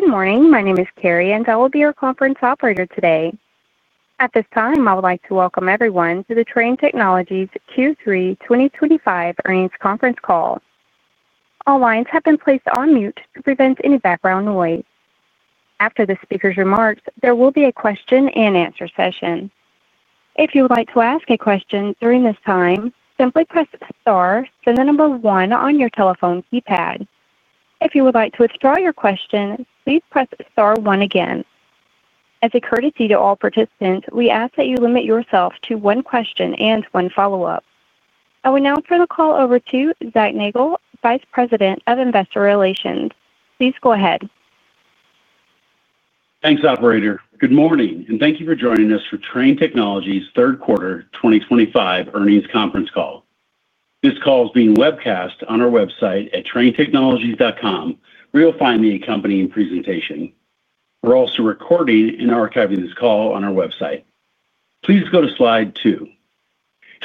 Good morning, my name is Carrie and I will be your conference operator today. At this time I would like to welcome everyone to the Trane Technologies Q3 2025 earnings conference call. All lines have been placed on mute to prevent any background noise. After the speaker's remarks, there will be a question-and-answer session. If you would like to ask a question during this time, simply press star, then the number one on your telephone keypad. If you would like to withdraw your question, please press star one again. As a courtesy to all participants, we ask that you limit yourself to one question and one follow-up. I will now turn the call over to Zac Nagle, Vice President of Investor Relations. Please go ahead. Thanks, operator. Good morning and thank you for joining us for Trane Technologies third quarter 2025 earnings conference call. This call is being webcast on our website at tranetechnologies.com where you'll find the accompanying presentation. We're also recording and archiving this call on our website. Please go to slide two.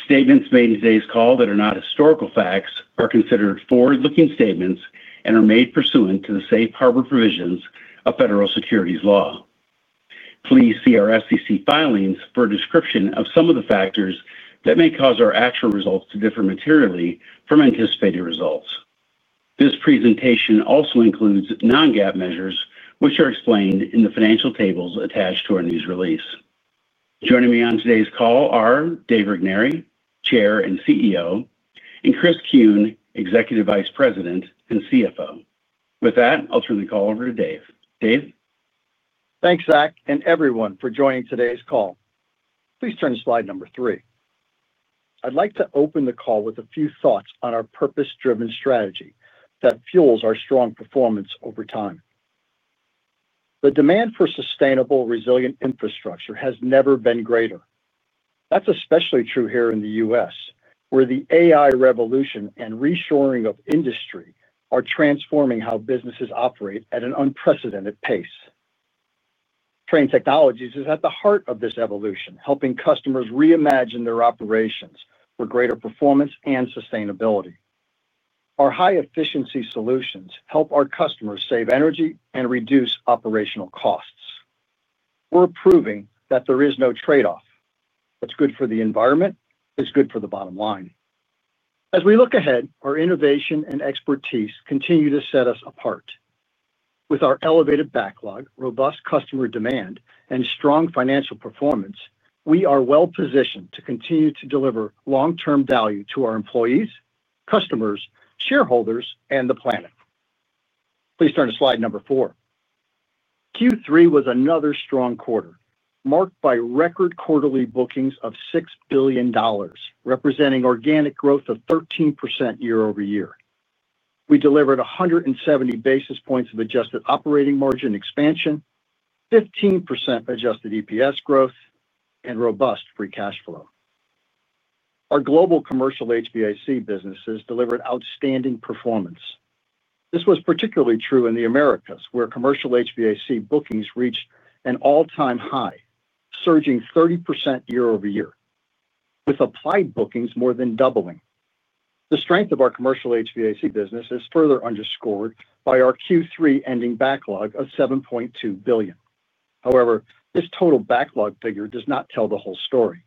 Statements made in today's call that are not historical facts are considered forward-looking statements and are made pursuant to the Safe Harbor provisions of Federal Securities Law. Please see our SEC filings for a description of some of the factors that may cause our actual results to differ materially from anticipated results. This presentation also includes non-GAAP measures, which are explained in the financial tables attached to our news release. Joining me on today's call are Dave Regnery, Chair and CEO, and Chris Kuehn, Executive Vice President and CFO. With that, I'll turn the call over to Dave. Dave. Thanks, Zac, and everyone for joining today's call. Please turn to slide number three. I'd like to open the call with a few thoughts on our purpose-driven strategy that fuels our strong performance over time. The demand for sustainable, resilient infrastructure has never been greater. That's especially true here in the U.S. where the AI revolution and reshoring of industry are transforming how businesses operate at an unprecedented pace. Trane Technologies is at the heart of this evolution, helping customers reimagine their operations for greater performance and sustainability. Our high-efficiency solutions help our customers save energy and reduce operational costs. We're proving that there is no tradeoff. What's good for the environment is good for the bottom line. As we look ahead, our innovation and expertise continue to set us apart. With our elevated backlog, robust customer demand, and strong financial performance, we are well-positioned to continue to deliver long-term value to our employees, customers, shareholders, and the planet. Please turn to slide number four. Q3 was another strong quarter marked by record quarterly bookings of $6 billion, representing organic growth of 13% year-over-year. We delivered 170 basis points of adjusted operating margin expansion, 15% adjusted EPS growth, and robust free cash flow. Our global commercial HVAC businesses delivered outstanding performance. This was particularly true in the Americas where commercial HVAC bookings reached an all-time high, surging 30% year-over-year with applied bookings more than doubling. The strength of our commercial HVAC business is further underscored by our Q3 ending backlog of $7.2 billion. However, this total backlog figure does not tell the whole story.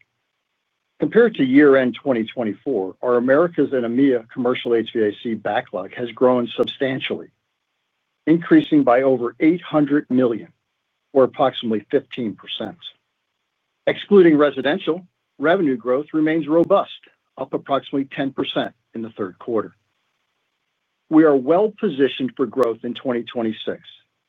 Compared to year-end 2024, our Americas and EMEA commercial HVAC backlog has grown substantially, increasing by over $800 million or approximately 15%. Excluding residential, revenue growth remains robust, up approximately 10% in the third quarter. We are well-positioned for growth in 2026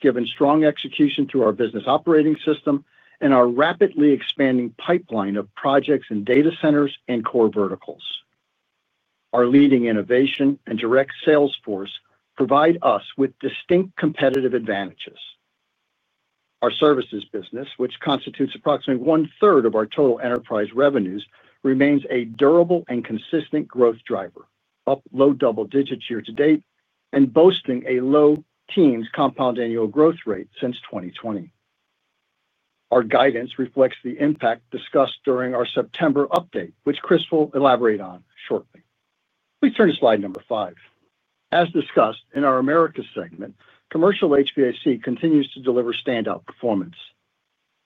given strong execution through our business operating system and our rapidly expanding pipeline of projects in data centers and core verticals. Our leading innovation and direct sales force provide us with distinct competitive advantages. Our services business, which constitutes approximately 1/3 of our total enterprise revenues, remains a durable and consistent growth driver, up low double digits year to date and boasting a low teens compound annual growth rate since 2020. Our guidance reflects the impact discussed during our September update, which Chris will elaborate on shortly. Please turn to slide number five. As discussed in our Americas segment, commercial HVAC continues to deliver standout performance.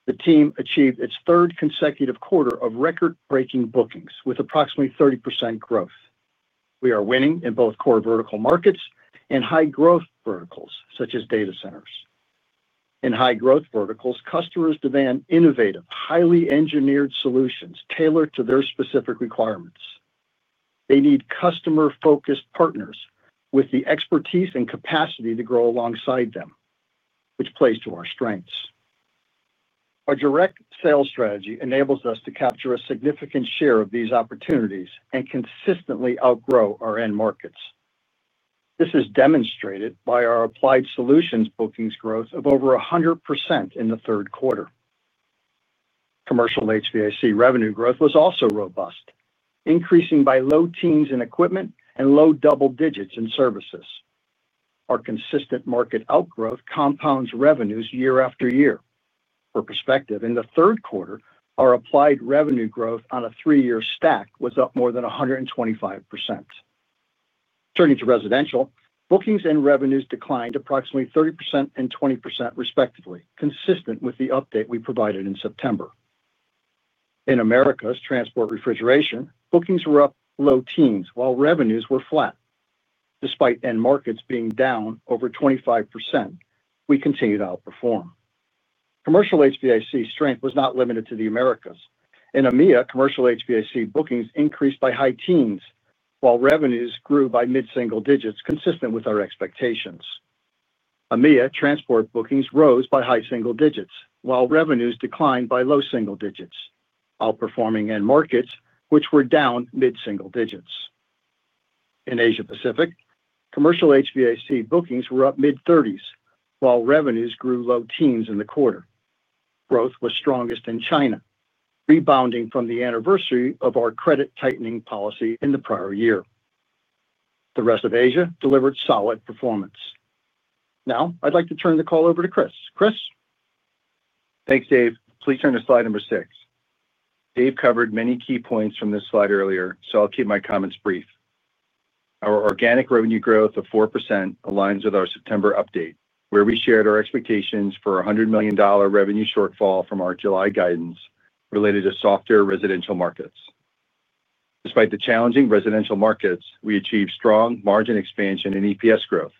The team achieved its third consecutive quarter of record-breaking bookings with approximately 30% growth. We are winning in both core vertical markets and high growth verticals such as data centers. In high growth verticals, customers demand innovative, highly engineered solutions tailored to their specific requirements. They need customer-focused partners with the expertise and capacity to grow alongside them, which plays to our strengths. Our direct sales strategy enables us to capture a significant share of these opportunities and consistently outgrow our end markets. This is demonstrated by our applied solutions bookings growth of over 100% in the third quarter. Commercial HVAC revenue growth was also robust, increasing by low teens in equipment and low double digits in services. Our consistent market outgrowth compounds revenues year after year. For perspective, in the third quarter our applied revenue growth on a three-year stack was up more than 125%. Turning to residential, bookings and revenues declined approximately 30% and 20% respectively, consistent with the update we provided in September. In Americas transport refrigeration, bookings were up low teens while revenues were flat despite end markets being down over 25%. We continue to outperform. Commercial HVAC strength was not limited to the Americas. In EMEA, commercial HVAC bookings increased by high teens while revenues grew by mid-single-digits. Consistent with our expectations, EMEA transport bookings rose by high-single-digits while revenues declined by low-single-digits, outperforming end markets which were down mid-single-digits. In Asia Pacific, commercial HVAC bookings were up mid-30s while revenues grew low teens in the quarter. Growth was strongest in China, rebounding from the anniversary of our credit tightening policy in the prior year. The rest of Asia delivered solid performance. Now I'd like to turn the call over to Chris. Chris. Thanks Dave. Please turn to slide number six. Dave covered many key points from this slide earlier, so I'll keep my comments brief. Our organic revenue growth of 4% aligns with our September update where we shared our expectations for a $100 million revenue shortfall from our July guidance related to softer residential markets. Despite the challenging residential markets, we achieved strong margin expansion and EPS growth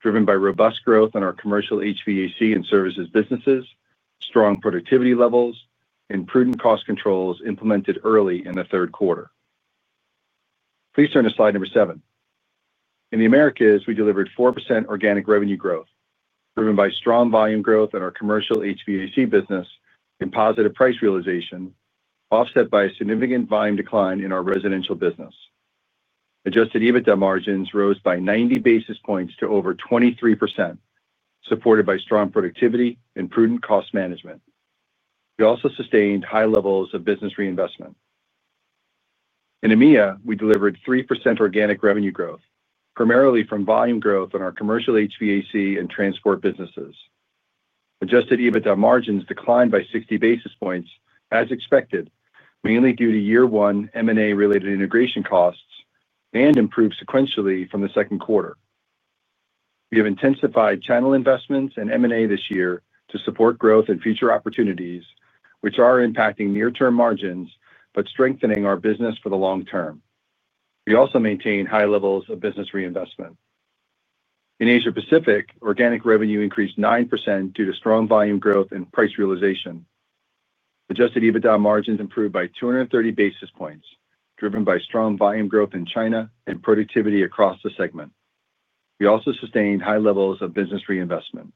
driven by robust growth on our commercial HVAC and services businesses, strong productivity levels, and prudent cost controls implemented early in the third quarter. Please turn to slide number seven. In the Americas, we delivered 4% organic revenue growth driven by strong volume growth at our commercial HVAC business and positive price realization, offset by a significant volume decline in our residential business. Adjusted EBITDA margins rose by 90 basis points to over 23%, supported by strong productivity and prudent cost management. We also sustained high levels of business reinvestment. In EMEA, we delivered 3% organic revenue growth, primarily from volume growth in our commercial HVAC and transport businesses. Adjusted EBITDA margins declined by 60 basis points as expected, mainly due to year one M&A related integration costs, and improved sequentially from the second quarter. We have intensified channel investments and M&A this year to support growth and future opportunities, which are impacting near-term margins but strengthening our business for the long-term. We also maintain high levels of business reinvestment. In Asia Pacific, organic revenue increased 9% due to strong volume growth and price realization. Adjusted EBITDA margins improved by 230 basis points, driven by strong volume growth in China and productivity across the segment. We also sustained high levels of business reinvestment.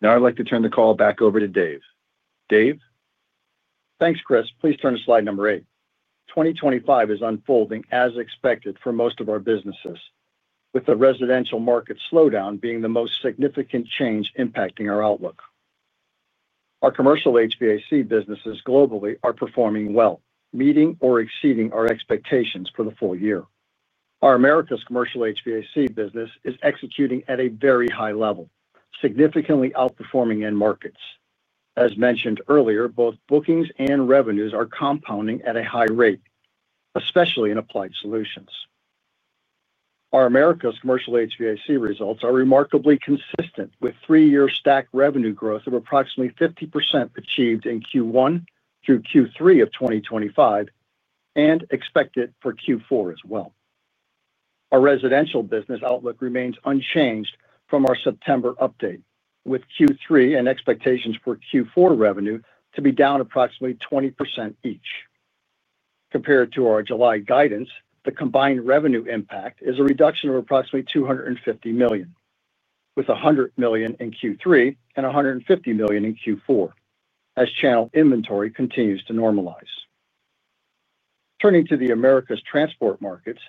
Now I'd like to turn the call back over to Dave. Thanks Chris. Please turn to slide number eight. 2025 is unfolding as expected for most of our businesses, with the residential market slowdown being the most significant change impacting our outlook. Our commercial HVAC businesses globally are performing well, meeting or exceeding our expectations for the full year. Our Americas commercial HVAC business is executing at a very high level, significantly outperforming end markets. As mentioned earlier, both bookings and revenues are compounding at a high rate, especially in applied solutions. Our Americas commercial HVAC results are remarkably consistent with 3-year stack revenue growth of approximately 50% achieved in Q1 through Q3 of 2025 and expected for Q4 as well. Our residential business outlook remains unchanged from our September update with Q3 and expectations for Q4 revenue to be down approximately 20% each. Compared to our July guidance, the combined revenue impact is a reduction of approximately $250 million, with $100 million in Q3 and $150 million in Q4 as channel inventory continues to normalize. Turning to the Americas Transport Markets,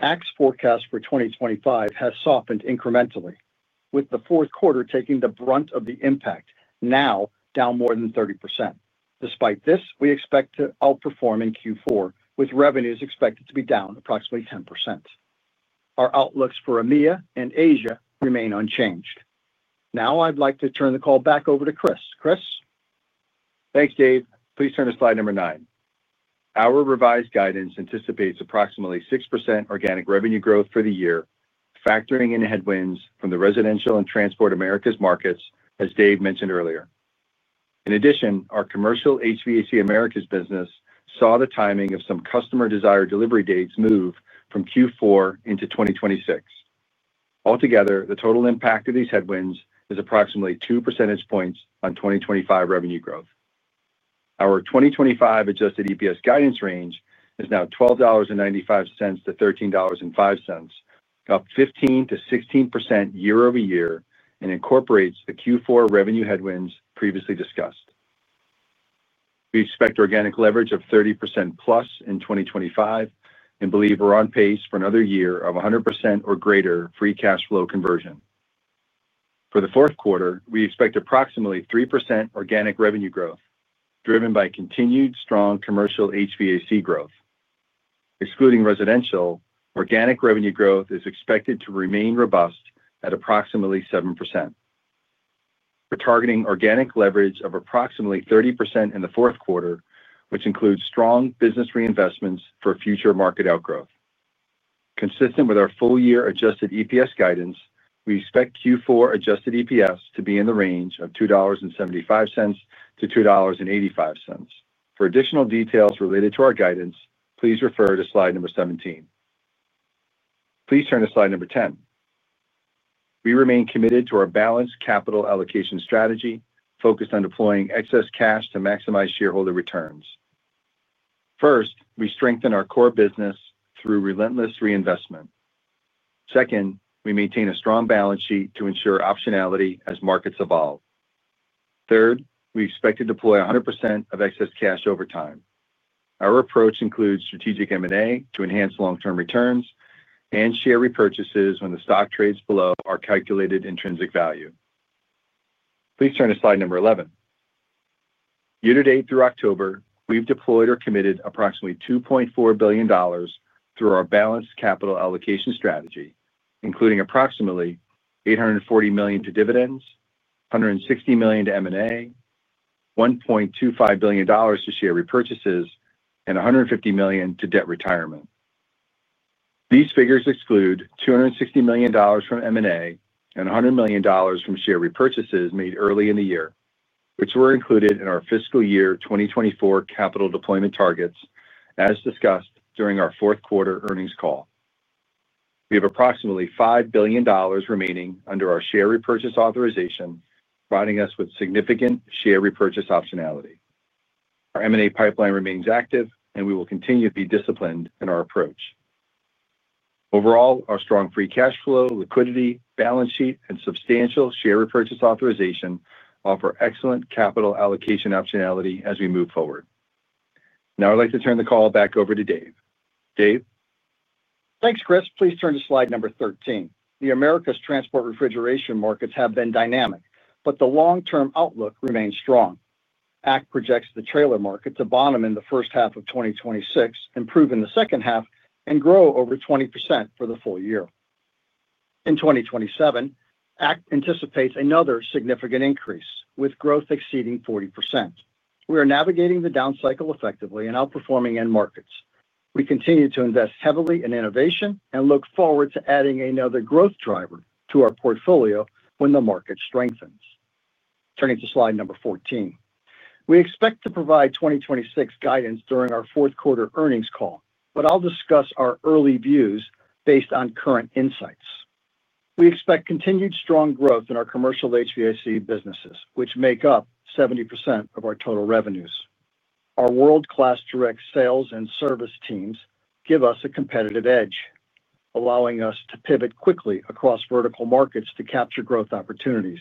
ACT's forecast for 2025 has softened incrementally with the fourth quarter taking the brunt of the impact, now down more than 30%. Despite this, we expect to outperform in Q4 with revenues expected to be down approximately 10%. Our outlooks for EMEA and Asia remain unchanged. Now I'd like to turn the call back over to Chris. Thanks Dave. Please turn to slide number nine. Our revised guidance anticipates approximately 6% organic revenue growth for the year, factoring in headwinds from the residential and transport Americas markets, as Dave mentioned earlier. In addition, our commercial HVAC Americas business saw the timing of some customer desired delivery dates move from Q4 into 2025. Altogether, the total impact of these headwinds is approximately 2 percentage points on 2025 revenue growth. Our 2025 adjusted EPS guidance range is now $12.95-$13.05, up 15%-16% year-over-year and incorporates the Q4 revenue headwinds previously discussed. We expect organic leverage of 30%+ in 2025 and believe we're on pace for another year of 100% or greater free cash flow conversion. For the fourth quarter, we expect approximately 3% organic revenue growth driven by continued strong commercial HVAC growth. Excluding residential, organic revenue growth is expected to remain robust at approximately 7%. We're targeting organic leverage of approximately 30% in the fourth quarter, which includes strong business reinvestments for future market outgrowth. Consistent with our full year adjusted EPS guidance, we expect Q4 adjusted EPS to be in the range of $2.75-$2.85. For additional details related to our guidance, please refer to slide number 17. Please turn to slide number ten. We remain committed to our balanced capital allocation strategy focused on deploying excess cash to maximize shareholder returns. First, we strengthen our core business through relentless reinvestment. Second, we maintain a strong balance sheet to ensure optionality as markets evolve. Third, we expect to deploy 100% of excess cash over time. Our approach includes strategic M&A to enhance long-term returns and share repurchases when the stock trades below our calculated intrinsic value. Please turn to slide number eleven. Year to date through October, we've deployed or committed approximately $2.4 billion through our balanced capital allocation strategy, including approximately $840 million to dividends, $160 million to M&A, $1.25 billion to share repurchases, and $150 million to debt retirement. These figures exclude $260 million from M&A and $100 million from share repurchases made early in the year, which were included in our fiscal year 2024 capital deployment targets. As discussed during our fourth quarter earnings call, we have approximately $5 billion remaining under our share repurchase authorization, providing us with significant share repurchase optionality. Our M&A pipeline remains active and we will continue to be disciplined in our approach. Overall, our strong free cash flow, liquidity, balance sheet, and substantial share repurchase authorization offer excellent capital allocation optionality as we move forward. Now I'd like to turn the call back over to Dave. Dave. Thanks, Chris. Please turn to slide number 13. The Americas transport refrigeration markets have been dynamic, but the long-term outlook remains strong. ACT projects the trailer market to bottom in the first half of 2026, improve in the second half, and grow over 20% for the full year in 2027. ACT anticipates another significant increase with growth exceeding 40%. We are navigating the down cycle effectively and outperforming end markets. We continue to invest heavily in innovation and look forward to adding another growth driver to our portfolio when the market strengthens. Turning to slide number 14, we expect to provide 2026 guidance during our fourth quarter earnings call, but I'll discuss our early views based on current insights. We expect continued strong growth in our commercial HVAC businesses, which make up 70% of our total revenues. Our world-class direct sales and service teams give us a competitive edge, allowing us to pivot quickly across vertical markets to capture growth opportunities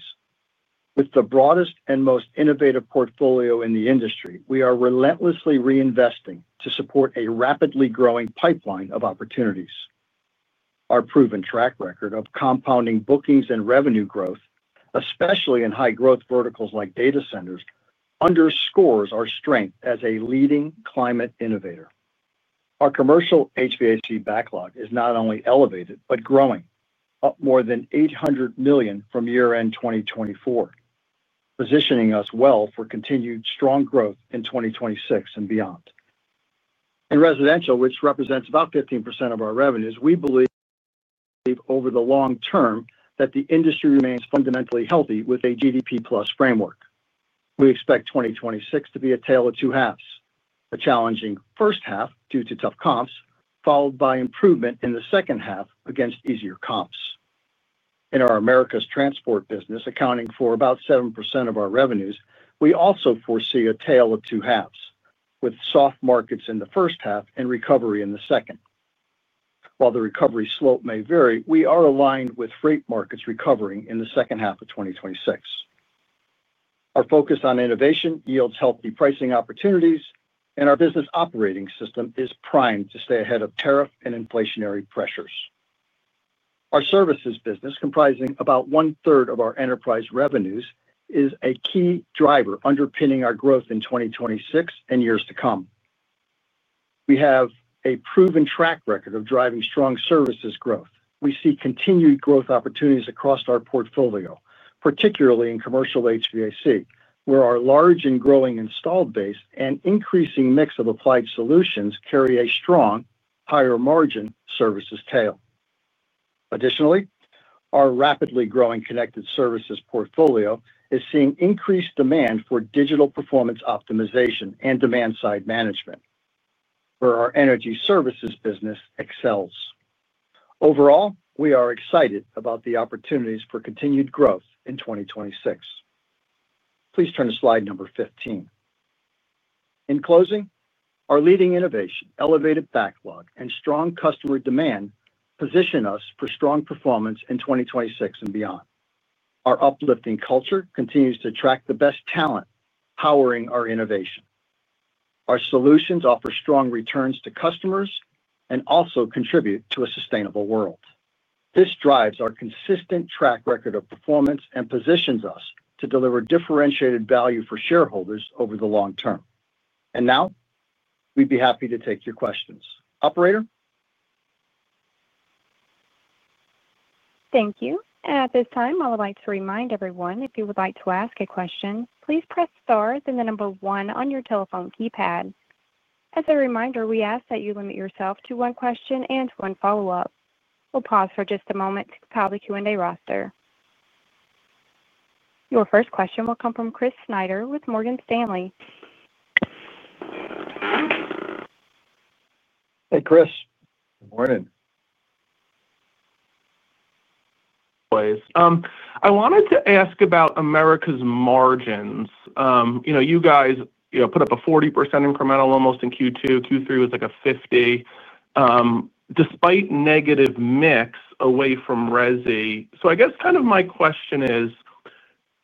with the broadest and most innovative portfolio in the industry. We are relentlessly reinvesting to support a rapidly growing pipeline of opportunities. Our proven track record of compounding bookings and revenue growth, especially in high-growth verticals like data centers, underscores our strength as a leading climate innovator. Our commercial HVAC backlog is not only elevated, but growing, up more than $800 million from year-end 2024, positioning us well for continued strong growth in 2026 and beyond. In residential, which represents about 15% of our revenues, we believe over the long-term that the industry remains fundamentally healthy. With a GDP plus framework, we expect 2026 to be a tale of two halves, a challenging first half due to tough comps followed by improvement in the second half against easier comps. In our Americas transport business, accounting for about 7% of our revenues, we also foresee a tale of two halves with soft markets in the first half and recovery in the second. While the recovery slope may vary, we are aligned with freight markets recovering in the second half of 2026. Our focus on innovation yields healthy pricing opportunities, and our business operating system is primed to stay ahead of tariff and inflationary pressures. Our services business, comprising about one third of our enterprise revenues, is a key driver underpinning our growth in 2026 and years to come. We have a proven track record of driving strong services growth. We see continued growth opportunities across our portfolio, particularly in commercial HVAC where our large and growing installed base and increasing mix of applied solutions carry a strong, higher-margin services tail. Additionally, our rapidly growing connected services portfolio is seeing increased demand for digital performance optimization and demand side management, where our energy services business excels. Overall, we are excited about the opportunities for continued growth in 2026. Please turn to slide number 15. In closing, our leading innovation, elevated backlog, and strong customer demand position us for strong performance in 2026 and beyond. Our uplifting culture continues to attract the best talent, powering our innovation. Our solutions offer strong returns to customers and also contribute to a sustainable world. This drives our consistent track record of performance and positions us to deliver differentiated value for shareholders over the long-term. We would be happy to take your questions. Operator. Thank you. At this time I would like to remind everyone if you would like to ask a question, please press star, then the number one on your telephone keypad. As a reminder, we ask that you limit yourself to one question and one follow up. We'll pause for just a moment to compile the Q&A roster. Your first question will come from Chris Snyder with Morgan Stanley. Hey Chris, good morning. I wanted to ask about Americas margins. You know you guys put up a 40% incremental almost in Q2. Q3 was like a 50% despite negative mix away from Resi. I guess kind of my question is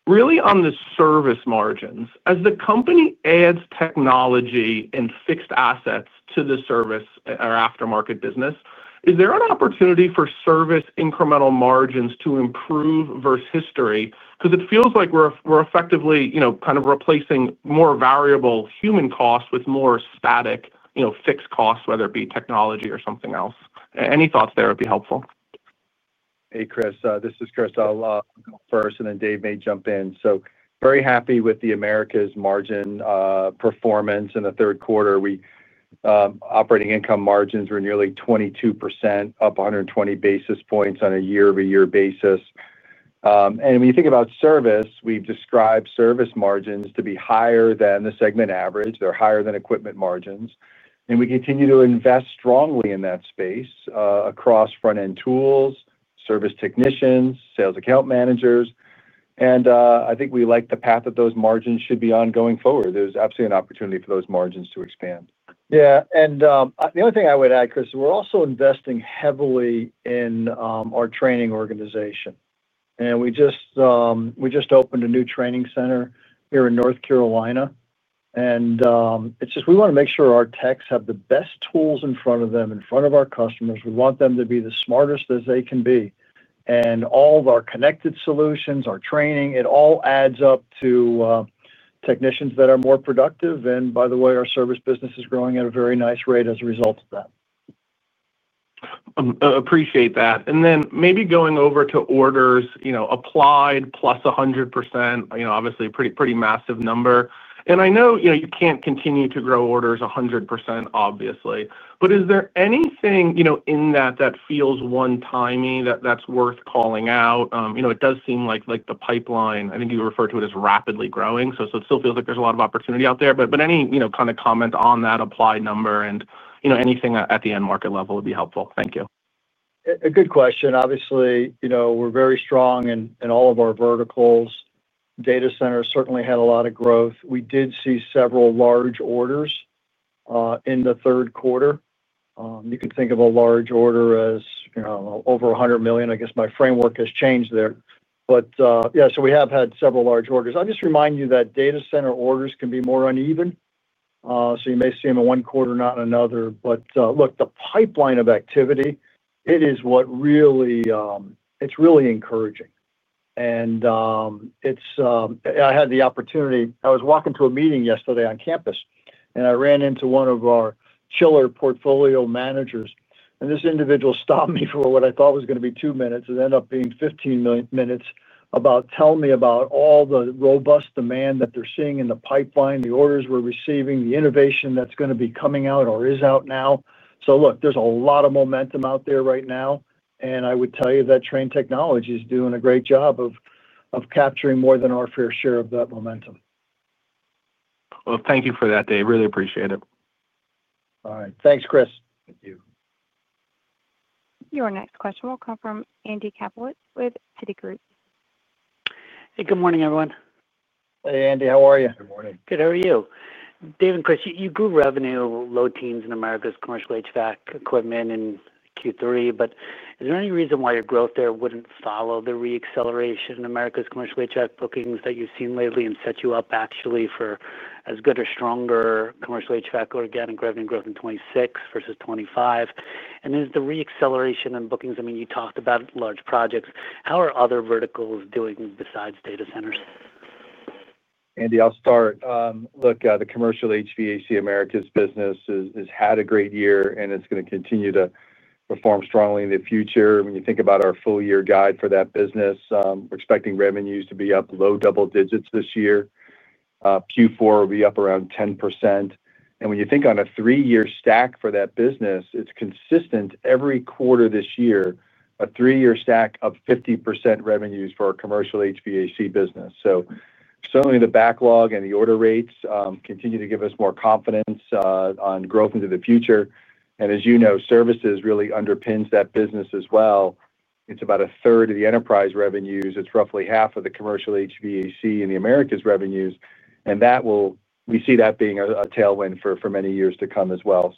really on the service margins, as the company adds technology and fixed assets to the service or aftermarket business, is there an opportunity for service incremental margins to improve versus history? It feels like we're effectively kind of replacing more variable human costs with more static fixed costs, whether it be technology or something else. Any thoughts there would be helpful. Hey Chris, this is Chris Kuehn. I'll go first, and then Dave may jump in. Very happy with the Americas margin performance in the third quarter. Operating income margins were nearly 22%, up 120 basis points on a year-over-year basis. When you think about ser vice, we've described service margins to be higher than the segment average. They're higher than equipment margins, and we continue to invest strongly in that space across front end tools, service technicians, sales, account managers. I think we like the path that those margins should be on going forward. There's absolutely an opportunity for those margins to expand. Yeah. The only thing I would add, Chris, we're also investing heavily in our training organization. We just opened a new training center here in North Carolina. We want to make sure our techs have the best tools in front of them, in front of our customers. We want them to be the smartest as they can be. All of our connected solutions and our training, it all adds up to technicians that are more productive. By the way, our service business is growing at a very nice rate as a result of that. Appreciate that. Maybe going over to orders, you know, applied plus 100%, obviously pretty massive number. I know you know, you can't continue to grow orders 100%, obviously. Is there anything, you know, in that feels one timey, that's worth calling out? It does seem like, like the pipeline, I think you refer to it is rapidly growing, so it still feels like there's a lot of opportunity out there. Any, you know, kind of comment on that applied number and, you know, anything at the end market level would be helpful. Thank you. A good question. Obviously, you know, we're very strong in all of our verticals. Data center certainly had a lot of growth. We did see several large orders in the third quarter. You can think of a large order as over $100 million. I guess my framework has changed there. Yeah, we have had several large orders. I'll just remind you that data center orders can be more uneven. You may see them in one quarter, not another. The pipeline of activity is what really, it's really encouraging. I had the opportunity, I was walking to a meeting yesterday on campus and I ran into one of our chiller portfolio managers and this individual stopped me for what I thought was going to be two minutes. It ended up being 15 minutes about telling me about all the robust demand that they're seeing in the pipeline, the orders we're receiving, the innovation that's going to be coming out or is out now. There's a lot of momentum out there right now and I would tell you that Trane Technologies is doing a great job of capturing more than our fair share of that momentum. Thank you for that, Dave. Really appreciate it. All right, thanks, Chris. Thank you. Your next question will come from Andy Kaplowitz with Citigroup. Hey, good morning everyone. Hey Andy, how are you? Good morning. Good. How are you? Dave and Chris, you grew revenue low teens in Americas commercial HVAC equipment in Q3. Is there any reason why your growth there wouldn't follow the reacceleration in Americas commercial HVAC bookings that you've seen lately and set you up actually for as good or stronger commercial HVAC organic revenue growth in 2026 versus 2025? Is the reacceleration in bookings, I mean, you talked about large projects. How are other verticals doing besides data centers? Andy, I'll start. Look, the commercial HVAC Americas business has had a great year and it's going to continue to perform strongly in the future. When you think about our full year guide for that business, we're expecting revenues to be up low double digits this year. Q4 will be up around 10%. When you think on a three year stack for that business, it's consistent every quarter this year, a three year stack of 50% revenues for our commercial HVAC business. Certainly the backlog and the order rates continue to give us more confidence on growth into the future. As you know, services really underpins that business as well. It's about 1/3 of the enterprise revenues. It's roughly half of the commercial HVAC in the Americas revenues. We see that being a tailwind for many years to come as well.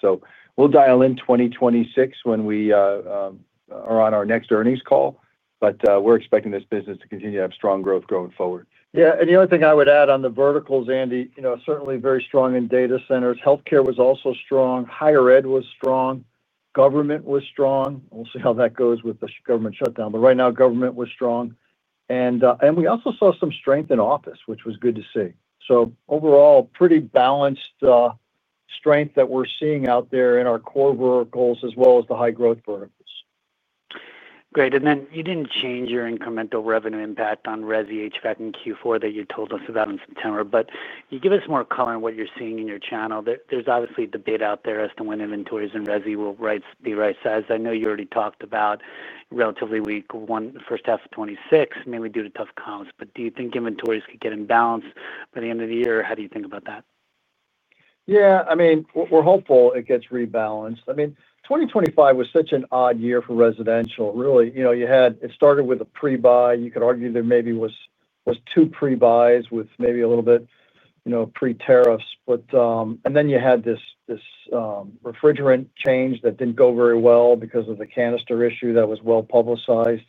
We'll dial in 2026 when we are on our next earnings call, but we're expecting this business to continue to have strong growth going forward. Yeah. The only thing I would add on the verticals, Andy, certainly very strong in data centers. Health care was also strong. Higher ed was strong. Government was strong. We'll see how that goes with the government shutdown. Right now government was strong, and we also saw some strength in office, which was good to see. Overall, pretty balanced strength that we're seeing out there in our core verticals as well as the high growth verticals. Great. You didn't change your incremental revenue impact on residential HVAC in Q4 that you told us about in September, but can you give us more color on what you're seeing in your channel? There's obviously debate out there as to when inventories in residential will be right sized. I know you already talked about relatively weak first half of 2026, mainly due to tough comps. Do you think inventories could get in balance by the end of the year? How do you think about that? Yeah, I mean, we're hopeful it gets rebalanced. 2025 was such an odd year for residential, really. You had it started with a pre-buy. You could argue there maybe was two pre-buys with maybe a little bit pre-tariffs, and then you had this refrigerant change that didn't go very well because of the canister issue that was well-publicized.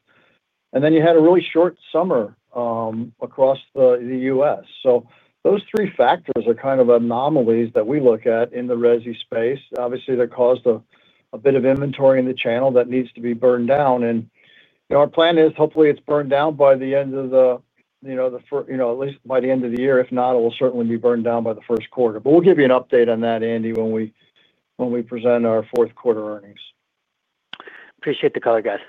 Then you had a really short summer across the U.S. Those three factors are kind of anomalies that we look at in the residential space. Obviously, that caused a bit of inventory in the channel that needs to be burned down. Our plan is hopefully it's burned down by the end of the year. If not, it will certainly be burned down by the first quarter. We'll give you an update on that, Andy, when we present our fourth quarter earnings. Appreciate the color, guys.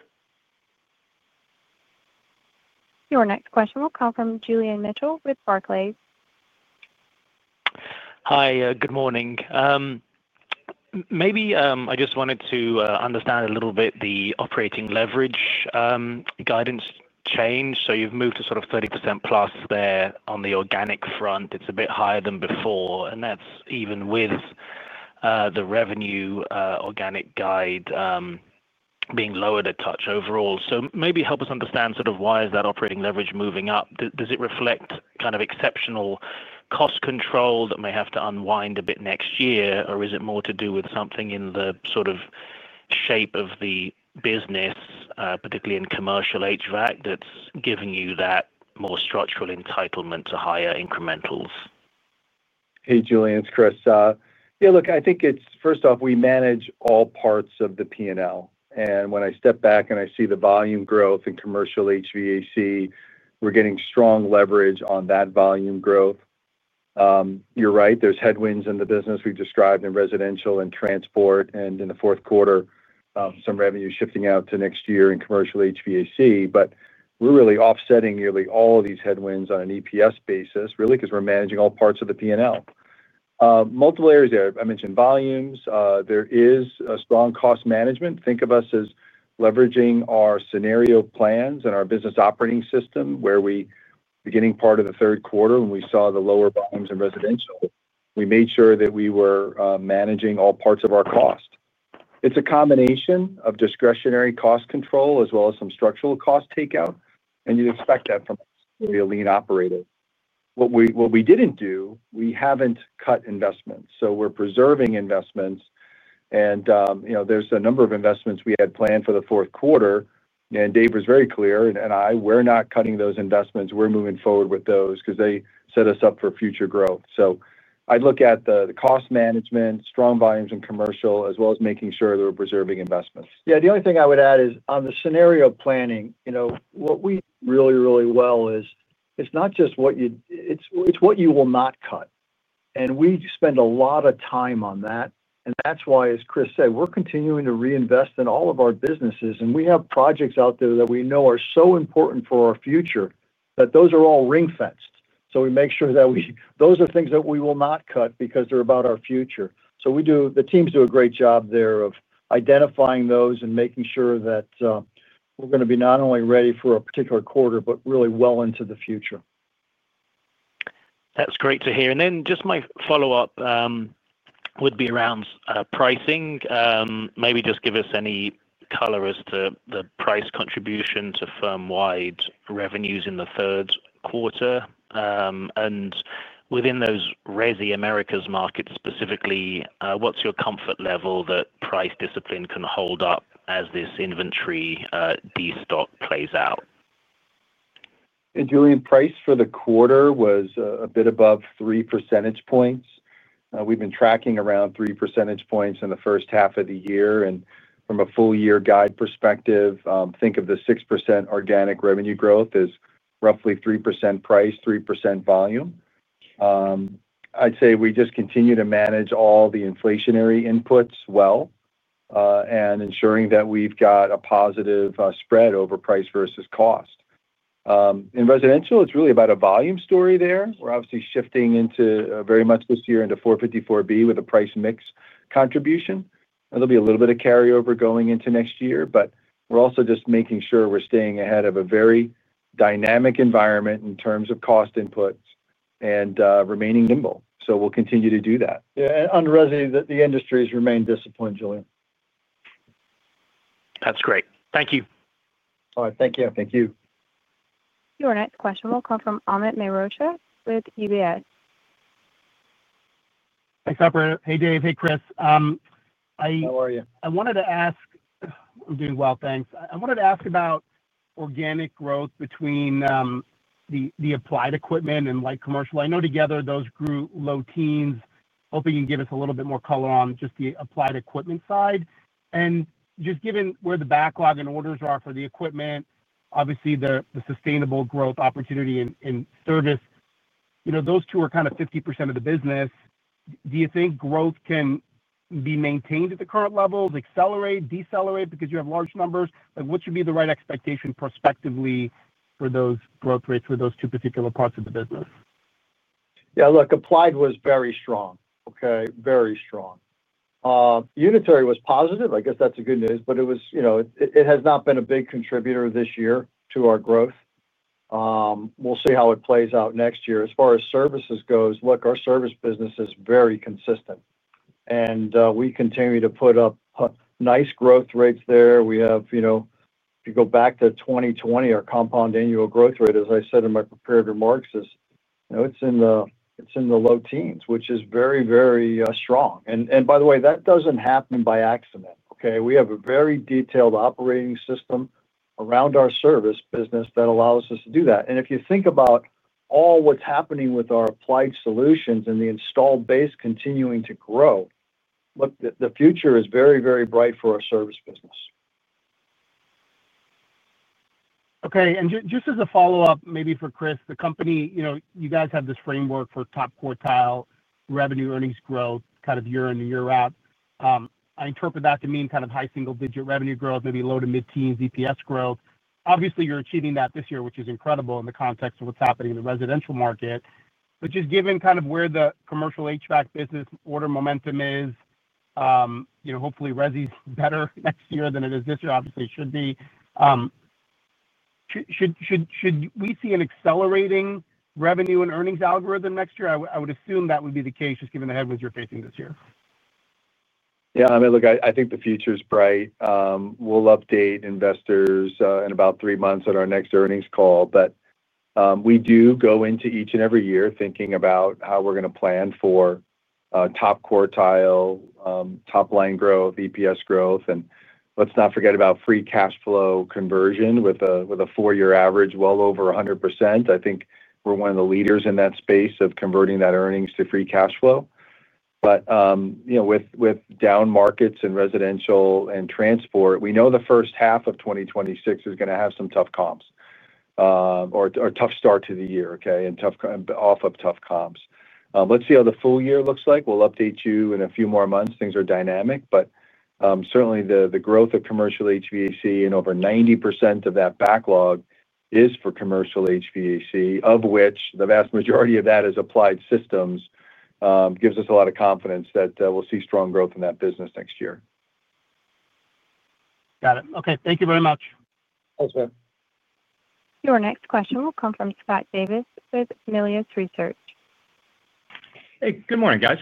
Your next question will come from Julian Mitchell with Barclays. Hi, good morning. Maybe I just wanted to understand a little bit the operating leverage guidance change. You've moved to sort of 30%+ there on the organic front. It's a bit higher than before and that's even with the revenue organic guide being lowered a touch overall. Maybe help us understand why is that operating leverage moving up? Does it reflect kind of exceptional cost control that may have to unwind a bit next year? Is it more to do with something in the shape of the business, particularly in commercial HVAC, that's giving you that more structural entitlement to higher incrementals? Hey, Julian, it's Chris. Yeah, I think it's first off we manage all parts of the P&L. When I step back and I see the volume growth in commercial HVAC, we're getting strong leverage on that volume growth. You're right, there's headwinds in the business we've described in residential and transport, and in the fourth quarter, some revenue shifting out to next year in commercial HVAC. We're really offsetting nearly all of these headwinds on an EPS basis, really because we're managing all parts of the P&L, multiple areas there. I mentioned volumes. There is strong cost management. Think of us as leveraging our scenario plans and our business operating system. Beginning part of the third quarter, when we saw the lower volumes in residential, we made sure that we were managing all parts of our cost. It's a combination of discretionary cost control as well as some structural cost takeout. You'd expect that from a lean operator. What we didn't do, we haven't cut investments. We're preserving investments, and there's a number of investments we had planned for the fourth quarter, and Dave was very clear and I, we're not cutting those investments. We're moving forward with those because they set us up for future growth. I'd look at the cost management, strong volumes in commercial, as well as making sure that we're preserving investments. Yeah, the only thing I would add is on the scenario planning what we really, really do well is it's not just what you, it's what you will not cut. We spend a lot of time on that. That's why, as Chris said, we're continuing to reinvest in all of our businesses and we have projects out there that we know are so important for our future that those are all ring-fenced. We make sure that those are things that we will not cut because they're about our future. The teams do a great job there of identifying those and making sure that they're going to be not only ready for a particular quarter but really well into the future. That's great to hear. My follow-up would be around pricing. Maybe just give us any color as to the price contribution to firm-wide revenues in the third quarter and within those residential Americas markets specifically. What's your comfort level that price discipline can hold up as this inventory destock plays out? Julian price for the quarter was a bit above 3 percentage points. We've been tracking around 3 percentage points in the first half of the year, and from a full year guide perspective, think of the 6% organic revenue growth as roughly 3% price, 3% volume. I'd say we just continue to manage all the inflationary inputs well and ensuring that we've got a positive spread over price versus cost in residential. It's really about a volume story there. We're obviously shifting very much this year into 454B with a price mix contribution. There'll be a little bit of carryover going into next year, but we're also just making sure we're staying ahead of a very dynamic environment in terms of cost inputs and remaining nimble. We will continue to do that. Under residential the industries remain disciplined Julian. That's great. Thank you. All right, thank you. Thank you. Your next question will come from Amit Mehrocha with UBS. Hey Dave. Hey Chris. How are you? Good well, thanks. I wanted to ask. I'm doing well, thanks. I wanted to ask about organic growth between the applied equipment and light commercial. I know together those grew low teens. Hopefully you can give us a little bit more color on just the applied equipment side and just given where the backlog and orders are for the equipment, obviously the sustainable growth opportunity in service, you know, those two are kind of 50% of the business. Do you think growth can be maintained at the current levels? Accelerate, decelerate because you have large numbers, what should be the right expectation prospectively for those growth rates for those two particular parts of the business? Yeah, look, applied was very strong, okay? Very strong. Unitary was positive. I guess that's a good news. It has not been a big contributor this year to our growth. We'll see how it plays out next year. As far as services goes. Our service business is very consistent and we continue to put up nice growth rates there. If you go back to 2020, our compound annual growth rate, as I said in my prepared remarks, is it's in the low teens, which is very, very strong. That doesn't happen by accident. We have a very detailed operating system around our service business that allows us to do that. If you think about all what's happening with our applied solutions and the installed base continuing to grow, the future is very, very bright for our service business. Just as a follow up maybe for Chris, the company, you know, you guys have this framework for top quartile revenue earnings growth kind of year in and year out. I interpret that to mean kind of high single digit revenue growth, maybe low to mid teens EPS growth, obviously you're achieving that this year, which is incredible in the context of what's happening in the residential market. Just given kind of where the commercial HVAC business order momentum is, you know, hopefully Resi is better next year than it is this year. Obviously should be. Should we see an accelerating revenue and earnings algorithm next year? I would assume that would be the case, just given the headwinds you're facing this year. Yeah, look, I think the future is bright. We'll update investors in about three months at our next earnings call. We do go into each and every year thinking about how we're going to plan for top quartile, top line growth, EPS growth, and let's not forget about free cash flow conversion. With a four year average well over 100%, I think we're one of the leaders in that space of converting that earnings to free cash flow. With down markets in residential and transport, we know the first half of 2026 is going to have some tough comps or tough start to the year. Okay. Off of tough comps, let's see how the full year looks like. We'll update you in a few more months. Things are dynamic, but certainly the growth of commercial HVAC and over 90% of that backlog is for commercial HVAC, of which the vast majority of that is applied solutions, gives us a lot of confidence that we'll see strong growth in that business next year. Got it. Okay, thank you very much. Thanks. Your next question will come from Scott Davis with Melius Research. Hey, good morning guys.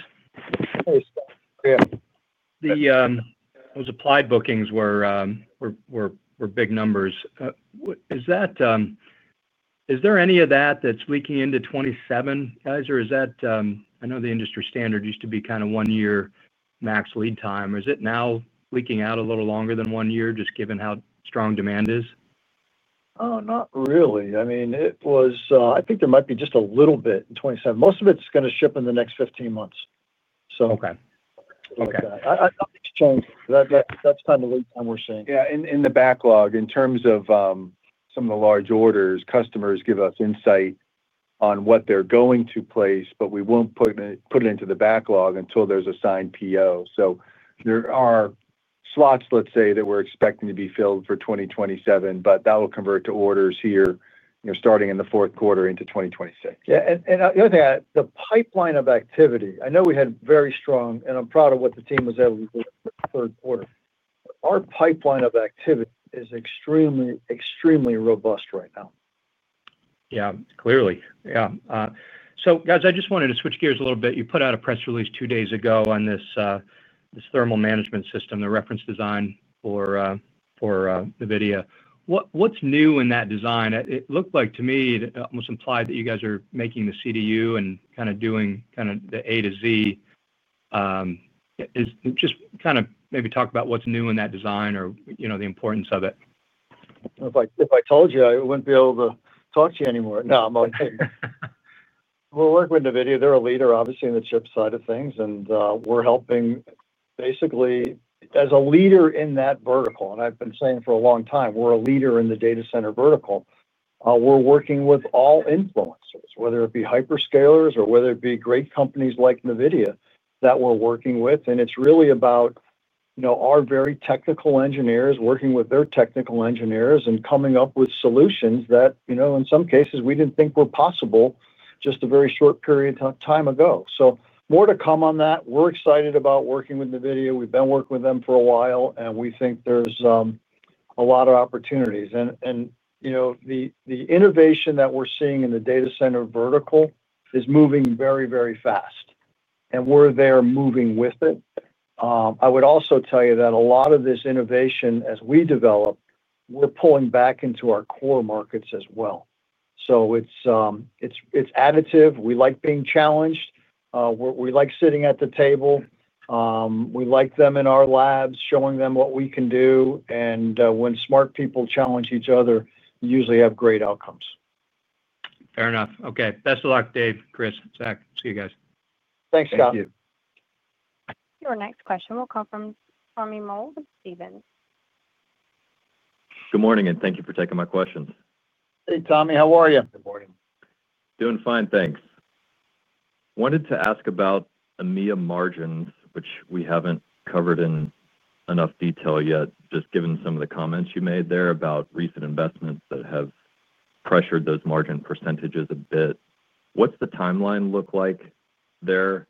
Those applied bookings were big numbers. Is there any of that that's leaking into 2027, guys? Or is that—I know the industry standard used to be kind of one year max lead time. Is it now leaking out a little longer than one year just given how strong demand is? Not really. I mean, I think there might be just a little bit in 2027. Most of it's going to ship in the next 15 months. That's kind of what we're seeing. Yeah, in the backlog in terms of some of the large orders, customers give us insight on what they're going to place, but we won't put it into the backlog until there's a signed PO. There are slots, let's say, that we're expecting to be filled for 2027, but that will convert to orders here, you know, starting in the fourth quarter into 2026. Yeah, the pipeline of activity, I know we had very strong and I'm proud of what the team was able to do. Third quarter, our pipeline of activity is extremely, extremely robust right now. Clearly, I just wanted to switch gears a little bit. You put out a press release two days ago on this thermal management system. The reference design for NVIDIA, what's new in that design, it looked like to me almost implied that you guys are making the CDU and kind of doing the A-Z. Just kind of maybe talk about what's new in that design or the importance of it. If I told you, I wouldn't be able to talk to you anymore. Now I'm okay. We're working with NVIDIA. They're a leader obviously in the chip side of things. We're helping basically as a leader in that vertical. I've been saying for a long time, we're a leader in the data center vertical. We're working with all influencers, whether it be hyperscalers or whether it be great companies like NVIDIA that we're working with. It's really about our very technical engineers working with their technical engineers and coming up with solutions that in some cases we didn't think were possible just a very short period of time ago. More to come on that. We're excited about working with NVIDIA. We've been working with them for a while and we think there's a lot of opportunities. The innovation that we're seeing in the data center vertical is moving very, very fast and we're there moving with it. I would also tell you that a lot of this innovation, as we develop, we're pulling back into our core markets as well. It's additive. We like being challenged, we like sitting at the table. We like them in our labs showing them what we can do. When smart people challenge each other, usually have great outcomes.. Fair enough. Okay, best of luck, Dave, Chris, Zac. See you guys. Thanks, Scott. Your next question will come from Tommy Moll with Stephens. Good morning and thank you for taking my questions. Hey, Tommy, how are you? Good morning. Doing fine, thanks. I wanted to ask about EMEA margins, which we haven't covered in enough detail yet. Just given some of the comments you made there about recent investments that have pressured those margin percentages a bit. What's the timeline look like there?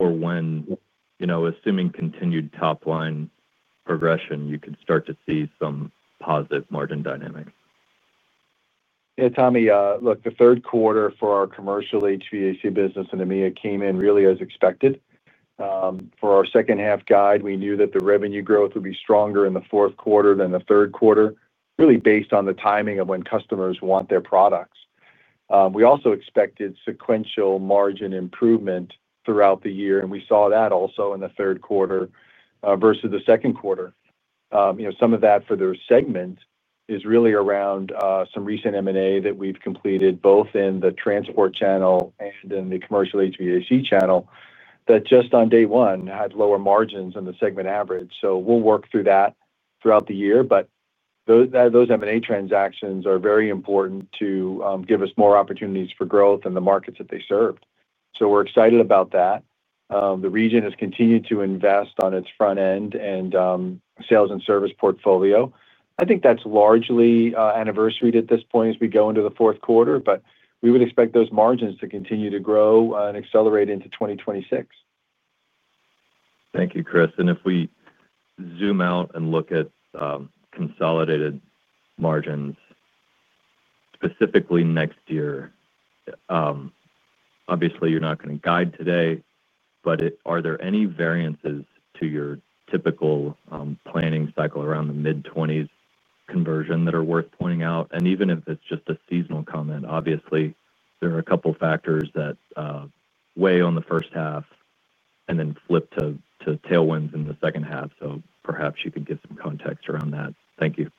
Or when, you know, assuming continued top line progression, you can start to see some positive margin dynamics. Yeah, Tommy, look, the third quarter for our commercial HVAC business in EMEA came in really as expected for our second half guide. We knew that the revenue growth would be stronger in the fourth quarter than the third quarter, really based on the timing of when customers want their products. We also expected sequential margin improvement throughout the year, and we saw that also in the third quarter versus the second quarter. Some of that for their segment is really around some recent M&A that we've completed both in the transport channel and in the commercial HVAC channel that just on day one had lower margins than the segment average. We'll work through that throughout the year. Those M&A transactions are very important to give us more opportunities for growth in the markets that they serve. We're excited about that. The region has continued to invest on its front end and sales and service portfolio. I think that's largely anniversary at this point as we go into the fourth quarter. We would expect those margins to continue to grow and accelerate into 2026. Thank you, Chris. If we zoom out and look at consolidated margins specifically next year, obviously you're not going to guide today, but are there any variances to your typical planning cycle around the mid-20s conversion that are worth pointing out? Even if it's just a seasonal comment, obviously there are a couple factors that weigh on the first half and then flip to tailwinds in the second half. Perhaps you could get some context around that. Thank you.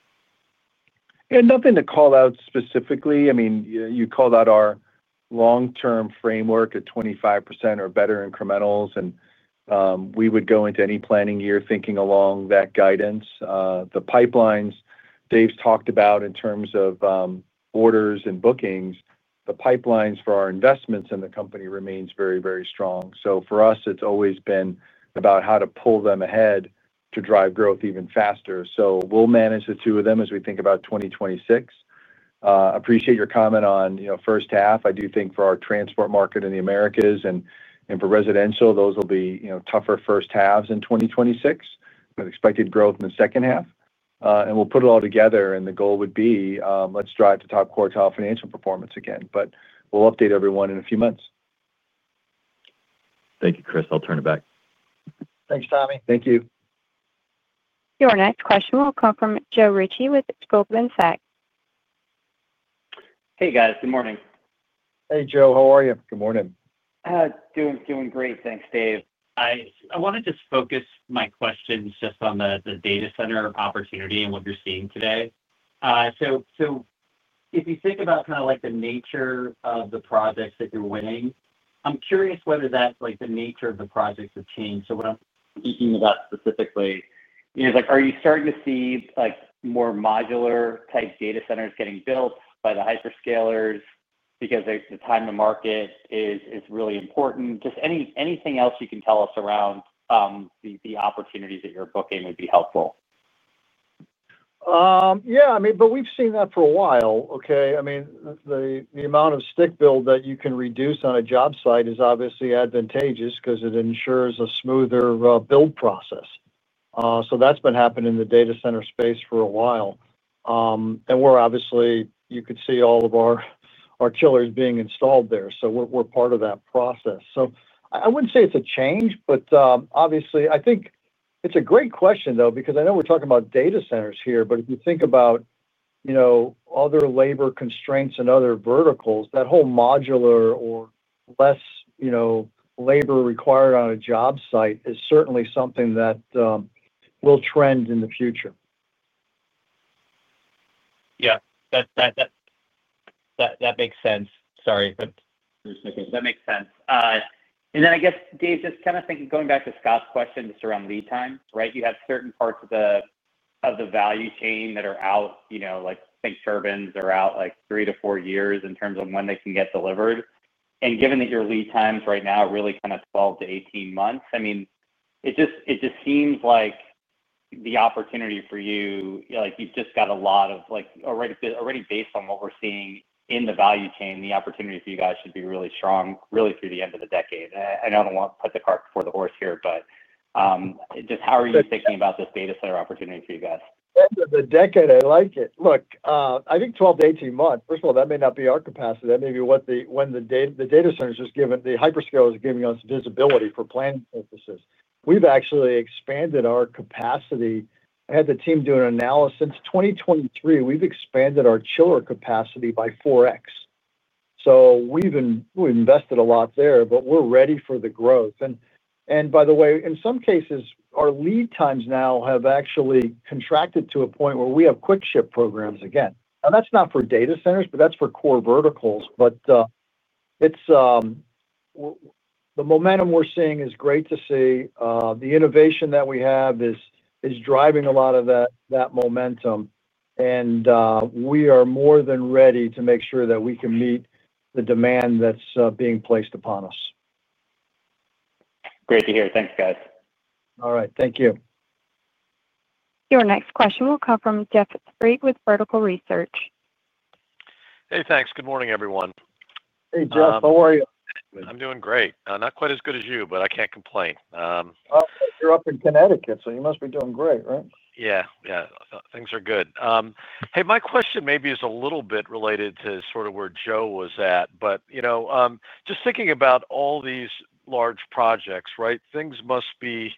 Nothing to call out specifically. I mean you called out our long-term framework at 25% or better incrementals, and we would go into any planning year thinking along that guidance. The pipelines Dave's talked about in terms of orders and bookings, the pipelines for our investments in the company remain very, very strong. For us, it's always been about how to pull them ahead to drive growth even faster. We'll manage the two of them as we think about 2026. Appreciate your comment on first half. I do think for our transport market in the Americas and for residential, those will be tougher first halves in 2026 with expected growth in the second half, and we'll put it all together and the goal would be let's drive to top quartile financial performance again. We'll update everyone in a few months. Thank you, Chris. I'll turn it back. Thanks, Tommy. Thank you. Your next question will come from Joe Ritchie with Scotiabank. Hey guys, good morning. Hey Joe, how are you? Good morning. Doing great, thanks Dave. I want to just focus my questions on the data center opportunity and what you're seeing today. If you think about the nature of the projects that you're winning, I'm curious whether the nature of the projects has changed. What I'm speaking about specifically is, are you starting to see more modular type data centers getting built by the hyperscalers? The time to market is really important. Anything else you can tell us around the opportunities that you're booking would be helpful. Yeah, we've seen that for a while. Okay. I mean, the amount of stick build that you can reduce on a job site is obviously advantageous because it ensures a smoother build process. That's been happening in the data center space for a while and we're obviously, you could see all of our chillers being installed there. We're part of that process. I wouldn't say it's a change, but I think it's a great question though because I know we're talking about data centers here, but if you think about other labor constraints and other verticals, that whole modular or less labor required on a job site is certainly something that will trend in the future. Yeah, that makes sense. Sorry, but that makes sense. I guess Dave just kind of think, going back to Scott's question, just around lead times, right, you have certain parts of the value chain that are out like think turbines are out like three to four years in terms of when they can get delivered. Given that your lead times right now are really kind of 12-18 months. It just seems like the opportunity for you, like you've just got a lot of like already. Based on what we're seeing in the value chain, the opportunity for you guys should be really strong, really through the end of the decade. I know I don't want to put the cart before the horse here, but just how are you thinking about this data center opportunity for you guys? End of the decade? I like it. Look, I think 12-18 months. First of all, that may not be our capacity. That may be what the, when the data, the data centers just given the hyperscale is giving us visibility for planning emphasis. We've actually expanded our capacity. I had the team doing analysis 2023. We've expanded our chiller capacity by 4x. We've invested a lot there, but we're ready for the growth. In some cases, our lead times now have actually contracted to a point where we have quick ship programs again. That's not for data centers, but that's for core verticals. The momentum we're seeing is great to see. The innovation that we have is driving a lot of that momentum, and we are more than ready to make sure that we can meet the demand that's being placed upon us. Great to hear. Thanks, guys. All right, thank you. Your next question will come from Jeff Sprig with Vertical Research. Hey, thanks. Good morning, everyone. Hey, Jeff. How are you? I'm doing great. Not quite as good as you, but I can't complain. You're up in Connecticut, so you must be doing great, right? Yeah, yeah, things are good. My question maybe is a little bit related to sort of where Joe was at, but just thinking about all these large projects. Things must be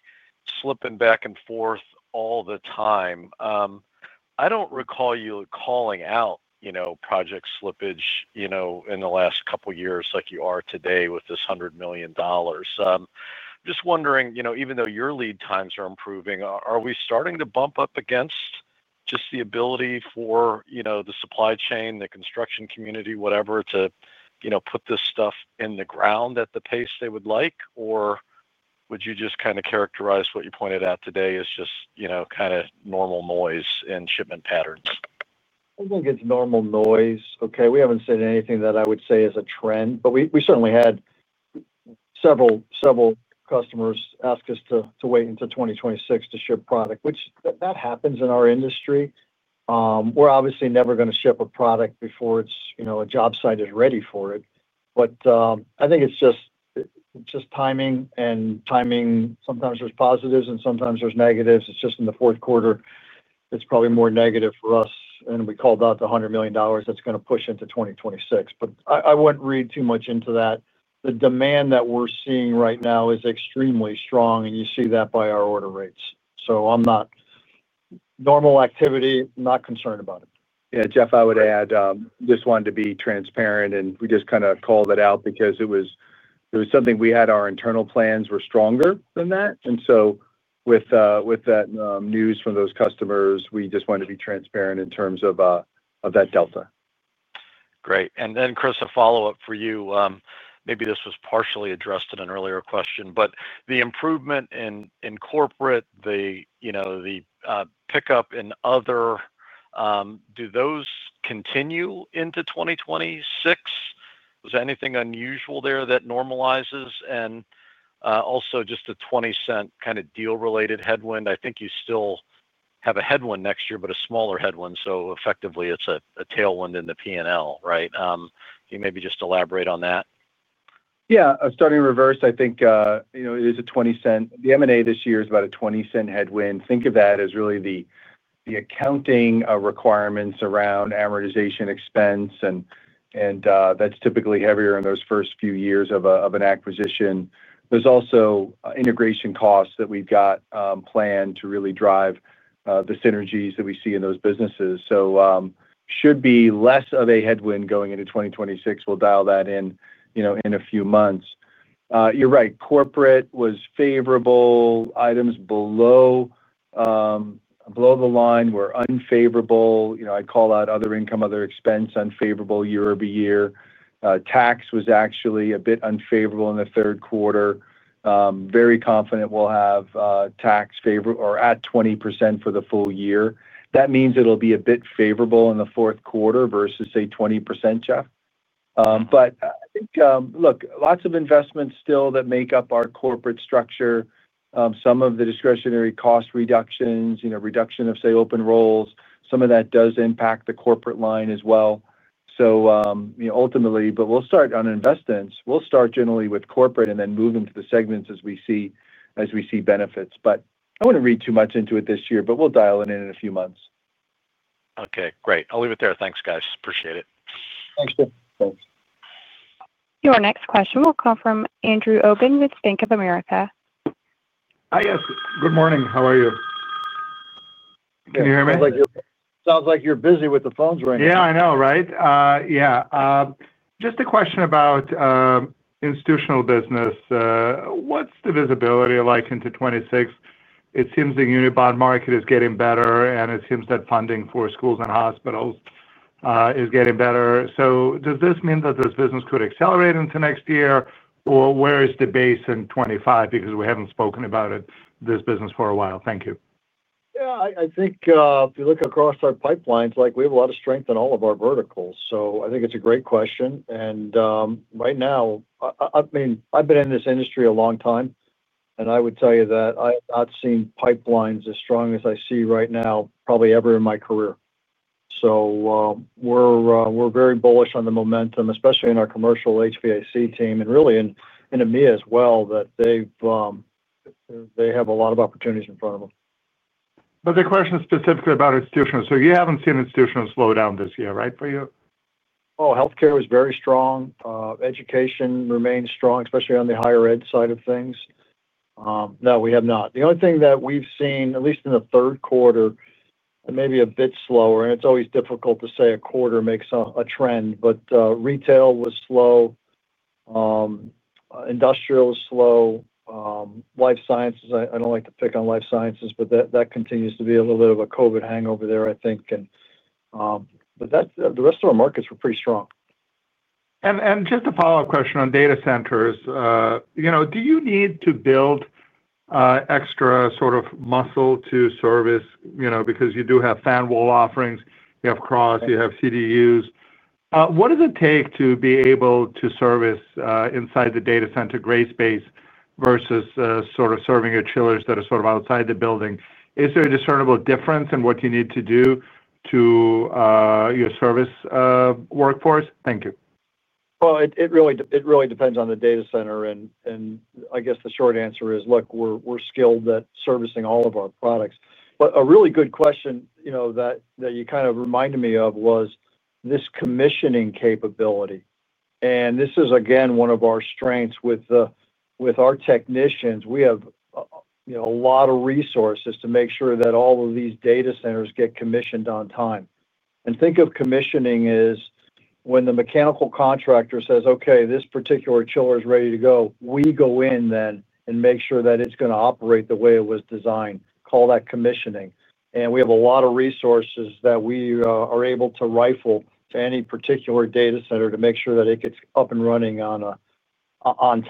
slipping back and forth all the time. I don't recall you calling out project slippage in the last couple of years like you are today with this $100 million. Just wondering, even though your lead times are improving. Are we starting to bump up against just the ability for the supply chain, the construction community, whatever, to put this stuff in the ground at the pace they would like, or would you just kind of characterize what you pointed out today is just, you know, kind of normal noise and shipment patterns? I think it's normal noise. We haven't said anything that I would say is a trend, but we certainly had several, several customers ask us to wait until 2026 to ship product, which happens in our industry. We're obviously never going to ship a product before it's, you know, a job site is ready for it. I think it's just timing and timing. Sometimes there's positives and sometimes there's negatives. It's just in the fourth quarter, it's probably more negative for us. We called out the $100 million that's going to push into 2026. I wouldn't read too much into that. The demand that we're seeing right now is extremely strong, and you see that by our order rates. I'm not normal activity, not concerned about it. Yeah, Jeff, I would add, just wanted to be transparent. We just kind of called it out because it was something we had. Our internal plans were stronger than that. With that news from those customers, we just wanted to be transparent in terms of that. Great. Chris, a follow up for you. Maybe this was partially addressed in an earlier question, but the improvement in corporate, the pickup in other. Do those continue into 2026? Was there anything unusual there that normalizes? Also, just a $0.20 kind of deal related headwind. I think you still have a headwind next year, but a smaller headwind. Effectively it's a tailwind in the P&L, right? Can you maybe just elaborate on that? Starting reverse. I think it is $0.20. The M&A this year is about a $0.20 headwind. Think of that as really the accounting requirements around amortization expense, and that's typically heavier in those first few years of an acquisition. There's also integration costs that we've got planned to really drive the synergies that we see in those businesses. It should be less of a headwind going into 2026. We'll dial that in in a few months. You're right, corporate was favorable. Items below, below the line, were unfavorable. I call out other income, other expense unfavorable. year-over-year, tax was actually a bit unfavorable in the third quarter. Very confident we'll have tax favorable or at 20% for the full year. That means it'll be a bit favorable in the fourth quarter versus, say, 20%, Jeff. I think, look, lots of investments. Still, that make up our corporate structure. Some of the discretionary cost reductions, you know, reduction of say open roles, some of that does impact the corporate line as well. Ultimately, we'll start on investments. We'll start generally with corporate and then move into the segments as we see benefits. I wouldn't read too much into it this year, but we'll dial it in in a few months. Okay, great. I'll leave it there. Thanks guys. Appreciate it. Thanks, Jeff. Thanks. Your next question will come from Andrew Obin with Bank of America. Hi. Yes, good morning. How are you? Can you hear me? Sounds like you're busy with the phones right now. Yeah, just a question about institutional business. What's the visibility like into 2026? It seems the muni bond market is getting better, and it seems that funding for schools and hospitals is getting better. Does this mean that this business could accelerate into next year or where is the base in 2025? Because we haven't spoken about it, this business for a while. Thank you. Yeah, I think if you look across our pipelines, we have a lot of strength in all of our verticals. I think it's a great question. Right now, I've been in this industry a long time and I would tell you that I have not seen pipelines as strong as I see right now, probably ever in my career. We're very bullish on the momentum, especially in our commercial HVAC team, and really to me as well, that they have a lot of opportunities in front of them. The question specifically about institutions. You haven't seen institutions slow down. This year, right, for you? Oh, healthcare was very strong. Education remains strong, especially on the higher ed side of things. No, we have not. The only thing that we've seen, at least in the third quarter, maybe a bit slower, and it's always difficult to say a quarter makes a trend. Retail was slow, industrial slow, life sciences, I don't like to pick on life sciences, but that continues to be a little bit of a Covid hangover there, I think. The rest of our markets were pretty strong. Just a follow up question on data centers, you know, do you need to build extra sort of muscle to service, you know, because you do have fan wall offerings, you have cross, you have CDUs. What does it take to be able to service inside the data center gray space versus sort of serving your chillers that are sort of outside the building. Is there a discernible difference in what you need to do to your service workforce? Thank you. It really depends on the data center. The short answer is, look, we're skilled at servicing all of our products. A really good question that you kind of reminded me of was this commissioning capability. This is again one of our strengths with our technicians. We have a lot of resources to make sure that all of these data centers get commissioned on time. Think of commissioning as when the mechanical contractor says, okay, this particular chiller is ready to go, we go in then and make sure that it's going to operate the way it was designed. Call that commissioning. We have a lot of resources that we are able to rifle to any particular data center to make sure that it gets up and running on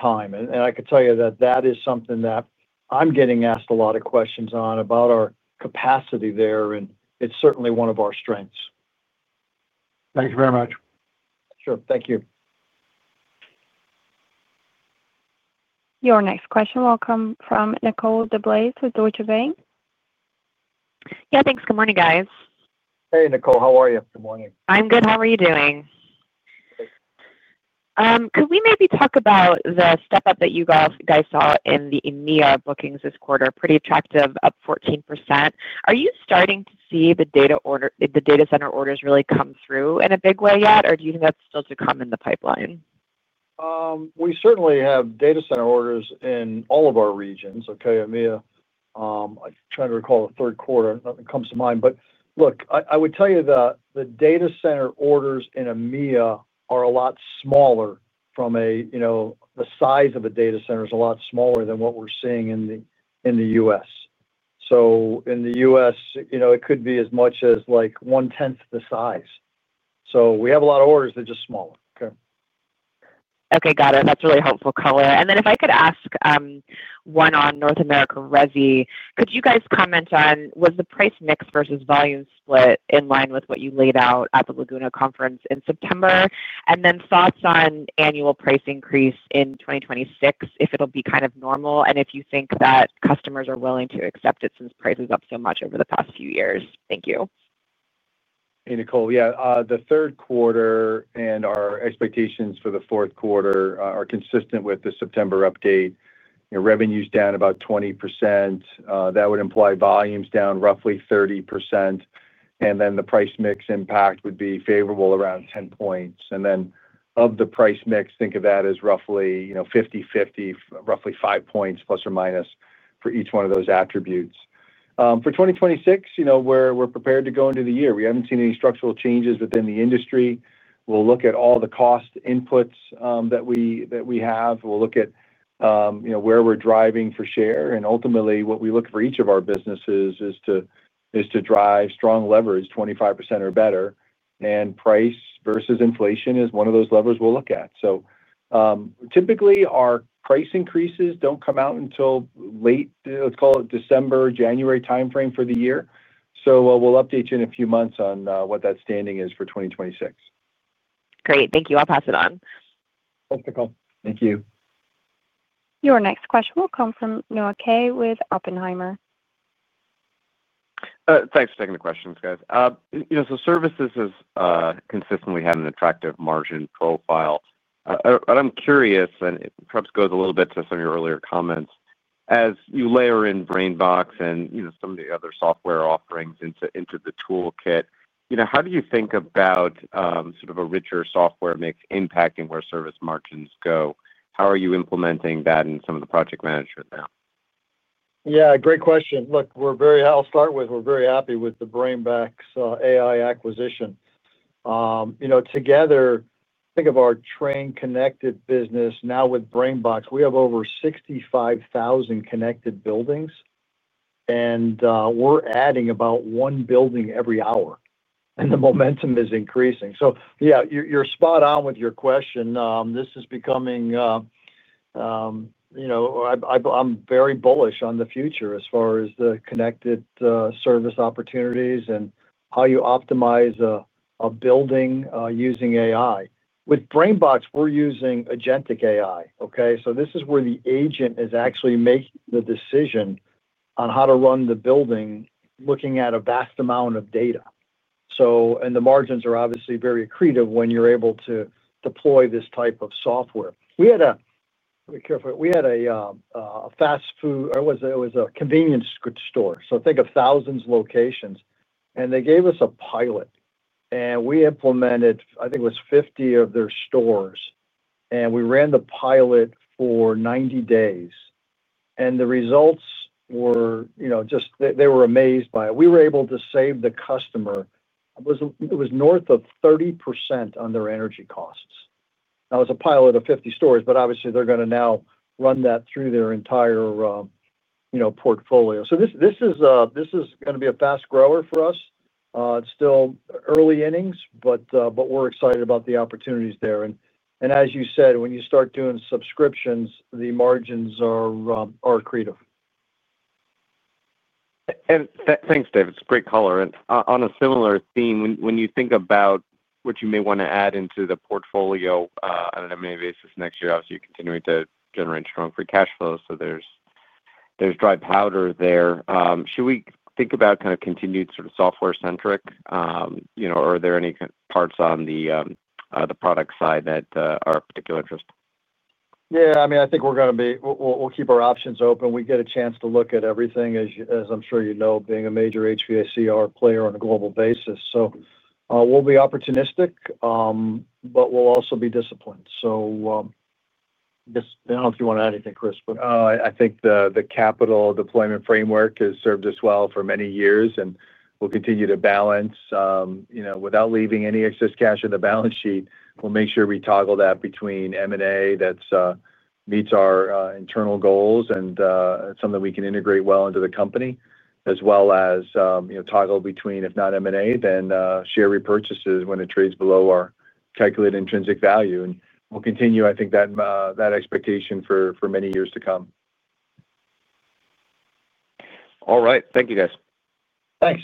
time. I could tell you that is something that I'm getting asked a lot of questions on about our capacity there. It's certainly one of our strengths. Thank you very much. Sure. Thank you. Your next question will come from Nicole DeBlase with Deutsche Bank. Yeah, thanks. Good morning, guys. Hey, Nicole, how are you? Good morning. I'm good. How are you doing? Could we maybe talk about the step up that you guys saw in the EMEA bookings as well? Quarter pretty attractive, up 14%. Are you starting to see the data center orders really come through in a big way yet, or do you think that's still to come in the pipeline? We certainly have data center orders in all of our regions. Okay, EMEA, I'm trying to recall the third quarter. Nothing comes to mind. I would tell you that the data center orders in EMEA are a lot smaller from a, you know, the size of a data center is a lot smaller than what we're seeing in the U.S. In the U.S., it could be as much as like one tenth the size. We have a lot of orders, they're just smaller. Okay, got it. That's really helpful color. Could you guys comment on whether the price mix versus volume split in North America residential HVAC was in line with what you laid out at the Laguna conference in September? Also, thoughts on the annual price increase in 2026, if it will be kind of normal and if you think that customers are willing to accept it since price is up so much over the past few years. Thank you. Hey, Nicole. Yeah. The third quarter and our expectations for the fourth quarter are consistent with the September update. Revenues down about 20%. That would imply volumes down roughly 30%. The price mix impact would be favorable around 10 points. Of the price mix, think of that as roughly 50/50, roughly 5 points nts plus or minus for each one of those attributes for 2026. We're prepared to go into the year. We haven't seen any structural changes within the industry. We'll look at all the cost inputs that we have. We'll look at where we're driving for share. Ultimately, what we look for each of our businesses is to drive strong leverage, 25% or better. Price versus inflation is one of those levers we'll look at. Typically, our price increases don't come out until late, let's call it December, January timeframe for the year. We'll update you in a few months on what that standing is for 2026. Great, thank you. I'll pass it on. Thank you. Your next question will come from Noah Kaye with Oppenheimer. Thanks for taking the questions, guys. Services has consistently had an attractive margin profile, but I'm curious and it. Perhaps goes a little bit to some of your earlier comments as you layer in BrainBox AI and some of the other software offerings into the toolkit. How do you think about a richer software mix impacting where service margins go? How are you implementing that in some of the project management now? Yeah, great question. Look, we're very happy with the BrainBox AI acquisition. Together, think of our Trane connected business. Now with BrainBox, we have over 65,000 connected buildings and we're adding about one building every hour and the momentum is increasing. You're spot on with your question. This is becoming, you know, I'm very bullish on the future as far as the connected service opportunities and how you optimize a building using AI. With BrainBox, we're using agentic AI. This is where the agent is actually making the decision on how to run the building, looking at a vast amount of data. The margins are obviously very accretive when you're able to deploy this type of software. We had a fast food, or it was a convenience goods store. Think of thousands of locations and they gave us a pilot and we implemented, I think it was 50 of their stores and we ran the pilot for 90 days and the results were, you know, just, they were amazed by it. We were able to save the customer, it was north of 30% on their energy costs. It was a pilot of 50 stores. Obviously, they're going to now run that through their entire portfolio. This is going to be a fast grower for us. It's still early innings, but we're excited about the opportunities there. As you said, when you start doing subscriptions, the margins are accretive. Thanks, Dave. It's great color. On a similar theme, when you. Think about what you may want to add into the portfolio on an M&A basis next year, obviously continuing to generate strong free cash flows. There's dry powder there. Should we think about continued sort of software-centric, you know. Are there any parts on the product side that are of particular interest? Yeah, I mean, I think we're going to be. We'll keep our options open. We get a chance to look at everything, as I'm sure you know, being a major HVACR player on a global basis. We'll be opportunistic, but we'll also be disciplined. I don't know if you want to add anything, Chris. I think the capital deployment framework has served us well for many years, and we'll continue to balance without leaving any excess cash in the balance sheet. We'll make sure we toggle that between M&A that meets our internal goals and something we can integrate well into the company, as well as toggle between, if not M&A, then share repurchases when it trades below our calculated intrinsic value. We'll continue that expectation for many years to come. All right, thank you, guys. Thanks.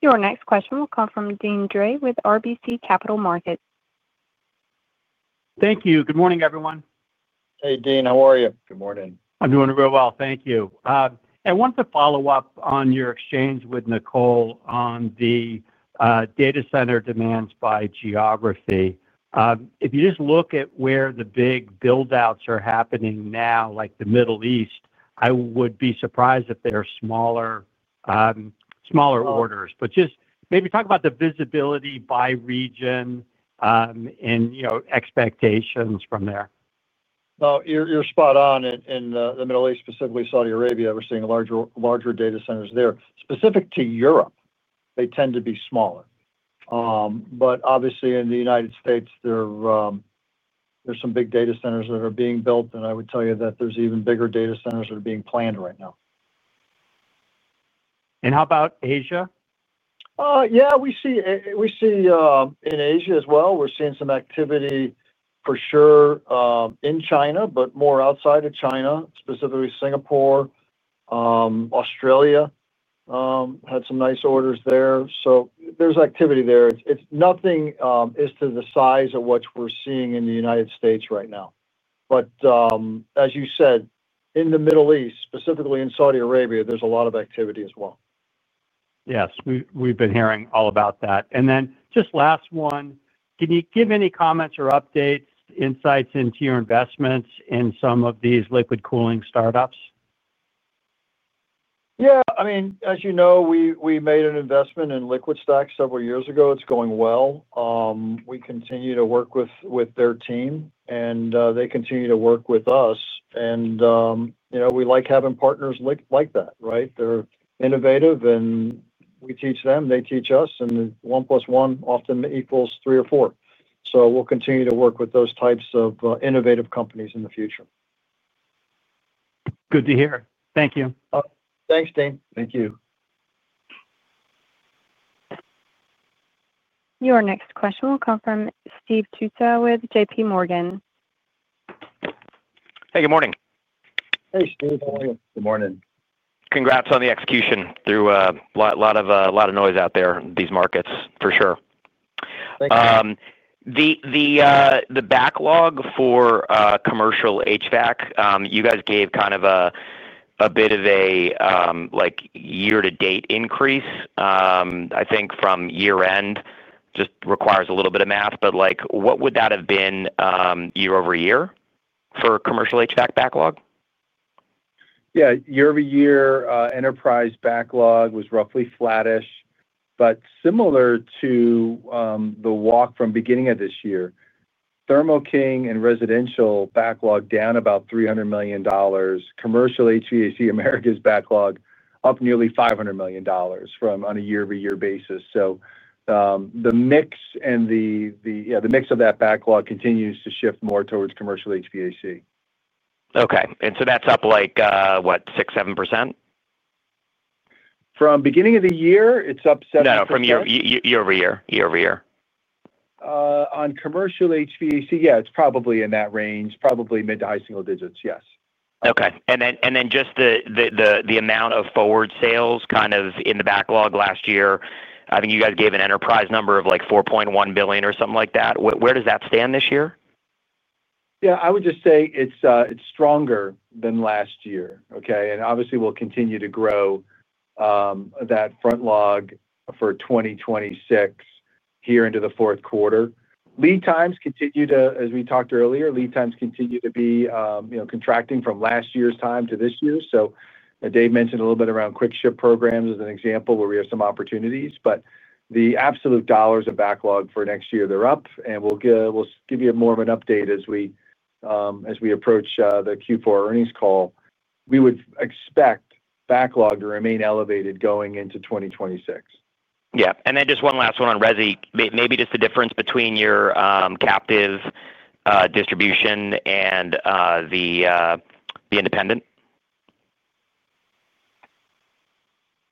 Your next question will come from Deane Dray with RBC Capital Markets. Thank you. Good morning, everyone. Hey, Dean, how are you? Good morning. I'm doing real well, thank you. I want to follow up on your exchange with Nicole on the data center demands by geography. If you just look at where the big build outs are happening now, like the Middle East, I would be surprised if they are smaller, smaller orders. Just maybe talk about the visibility by region and, you know, expectations from there. You're spot on in the Middle East, specifically Saudi Arabia, we're seeing larger, larger data centers there. Specific to Europe, they tend to be smaller. Obviously in the United States there's some big data centers that are being built. I would tell you that there's even bigger data centers that are being planned right now. How about Asia? Yeah, we see in Asia as well. We're seeing some activity for sure in China, but more outside of China, specifically Singapore, Australia had some nice orders there. There's activity there. It's nothing as to the size of what we're seeing in the United States right now. As you said, in the Middle East, specifically in Saudi Arabia, there's a lot of activity as well. Yes, we've been hearing all about that. Just last one, can you give any comments or updates, insights into your investments in some of these liquid cooling startups? Yeah, as you know, we made an investment in LiquidStack several years ago. It's going well. We continue to work with their team and they continue to work with us. You know, we like having partners like that. They're innovative and we teach them, they teach us. 1+1 = 3 or 4. We'll continue to work with those types of innovative companies in the future. Good to hear. Thank you. Thanks, Dean. Thank you. Your next question will come from Steve Tusa with JPMorgan. Hey, good morning. Hey, Steve, how are you? Good morning. Congrats on the execution through a lot of noise out there, these markets for sure. The backlog for commercial HVAC, you guys gave kind of a bit of a year to date increase, I think from year end just requires a little bit of math. What would that have been year-over-year for commercial HVAC backlog? Yeah, year-over-year enterprise backlog was roughly flattish, but similar to the walk from beginning of this year, Thermo King and residential backlog down about $300 million. Commercial HVAC Americas backlog up nearly $500 million on a year-over-year basis. The mix, and the mix of that backlog continues to shift more towards commercial HVAC. Okay. That's up like what, 6%, 7%? From beginning of the year it's up 7% from year-over-year, year-over-year. On commercial HVAC, yeah, it's probably in that range, probably mid to high single digits. Yes. Okay. Just the amount of forward sales in the backlog last year, I think you guys gave an enterprise number of like $4.1 billion or something like that. Where does that stand this year? Yeah, I would just say it's stronger than last year. Okay. Obviously, we'll continue to grow that front log for 2026 here into the fourth quarter. Lead times continue to, as we talked earlier, lead times continue to be contracting from last year's time to this year. Dave mentioned a little bit around quick ship programs as an example where we have some opportunities. The absolute dollars of backlog for next year, they're up. We'll give you more of an update as we approach the Q4 earnings call. We would expect backlog to remain elevated going into 2026. Yeah, just one last one on resi, maybe just the difference between your captive distribution and the independent.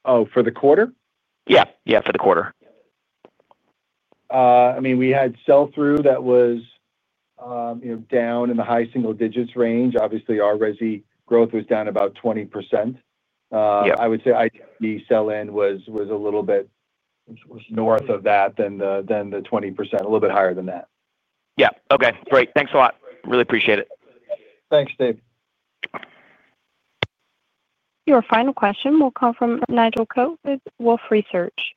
Oh, for the quarter? Yeah, for the quarter. I mean, we had sell through that was down in the high single digits range. Obviously our residential HVAC growth was down about 20%. I would say sell in was a little bit north of that, than the 20%, a little bit higher than that. Yeah. Okay, great. Thanks a lot. Really appreciate it. Thanks, Dave. Your final question will come from Nigel Coe with Wolfe Research.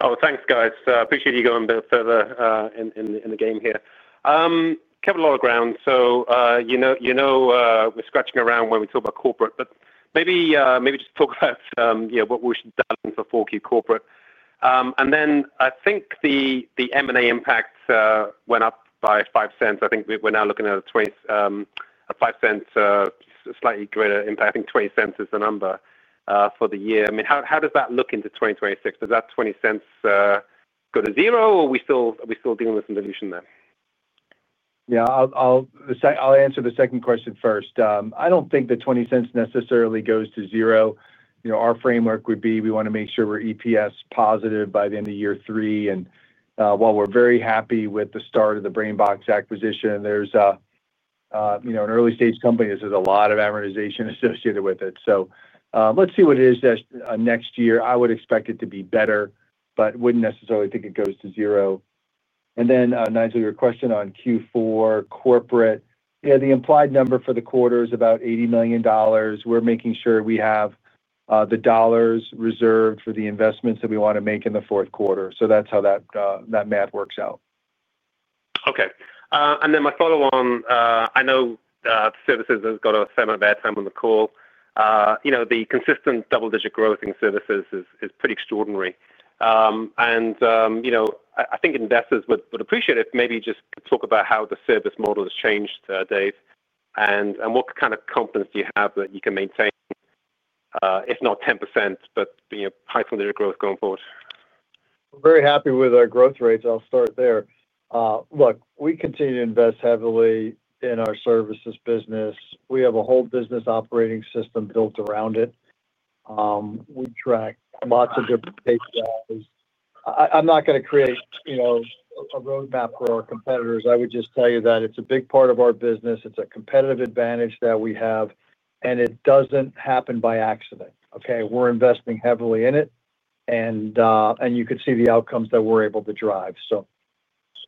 Oh, thanks, guys. Appreciate you going a bit further in the game here, Kevin. A lot of ground. You know, we're scratching around when we talk about corporate, but maybe just talk about what we should dial in for 4Q corporate. I think the M&A impact went up by $0.05. I think we're now looking at a $0.05 slightly greater impacting. $0.20 is the number for the year. I mean, how does that look into 2026? Does that $0.20 go to zero? Are we still dealing with some dilution there? Yeah, I'll answer the second question first. I don't think the $0.20 necessarily goes to zero. You know, our framework would be we want to make sure we're EPS positive by the end of year three. While we're very happy with the start of the BrainBox AI acquisition, there's, you know, an early stage company. This is a lot of amortization associated with it. Let's see what it is next year. I would expect it to be better, but wouldn't necessarily think it goes to zero. Nigel, your question on Q4 corporate. Yeah, the implied number for the quarter is about $80 million. We're making sure we have the dollars reserved for the investments that we want to make in the fourth quarter. That is how that math works out. Okay. My follow on. I know services has got a fair amount of airtime on the call. The consistent double-digit growth in services is pretty extraordinary. I think investors would appreciate if maybe just talk about how the service model has changed, Dave. What kind of confidence do you have that you can maintain, if not 10%, but being a high funded growth going forward. Very happy with our growth rates. I'll start there. Look, we continue to invest heavily in our services business. We have a whole business operating system built around it. We track lots of different metrics. I'm not going to create, you know, a roadmap for our competitors. I would just tell you that it's a big part of our business. It's a competitive advantage that we have and it doesn't happen by accident. We're investing heavily in it and you could see the outcomes that we're able to drive.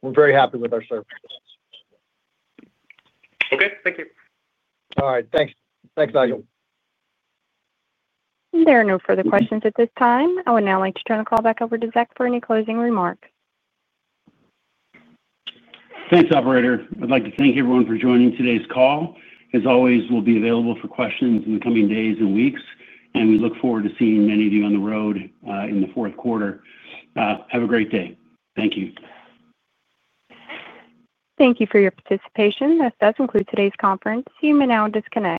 We're very happy with our services. Okay, thank you. All right, thanks. Thanks, Nigel. There are no further questions at this time. I would now like to turn the call back over to Zac for any closing remarks. Thanks, operator. I'd like to thank everyone for joining today's call. As always, we'll be available for questions in the coming days and weeks, and we look forward to seeing many of you on the road in the fourth quarter. Have a great day. Thank you. Thank you for your participation. This does conclude today's conference. You may now disconnect.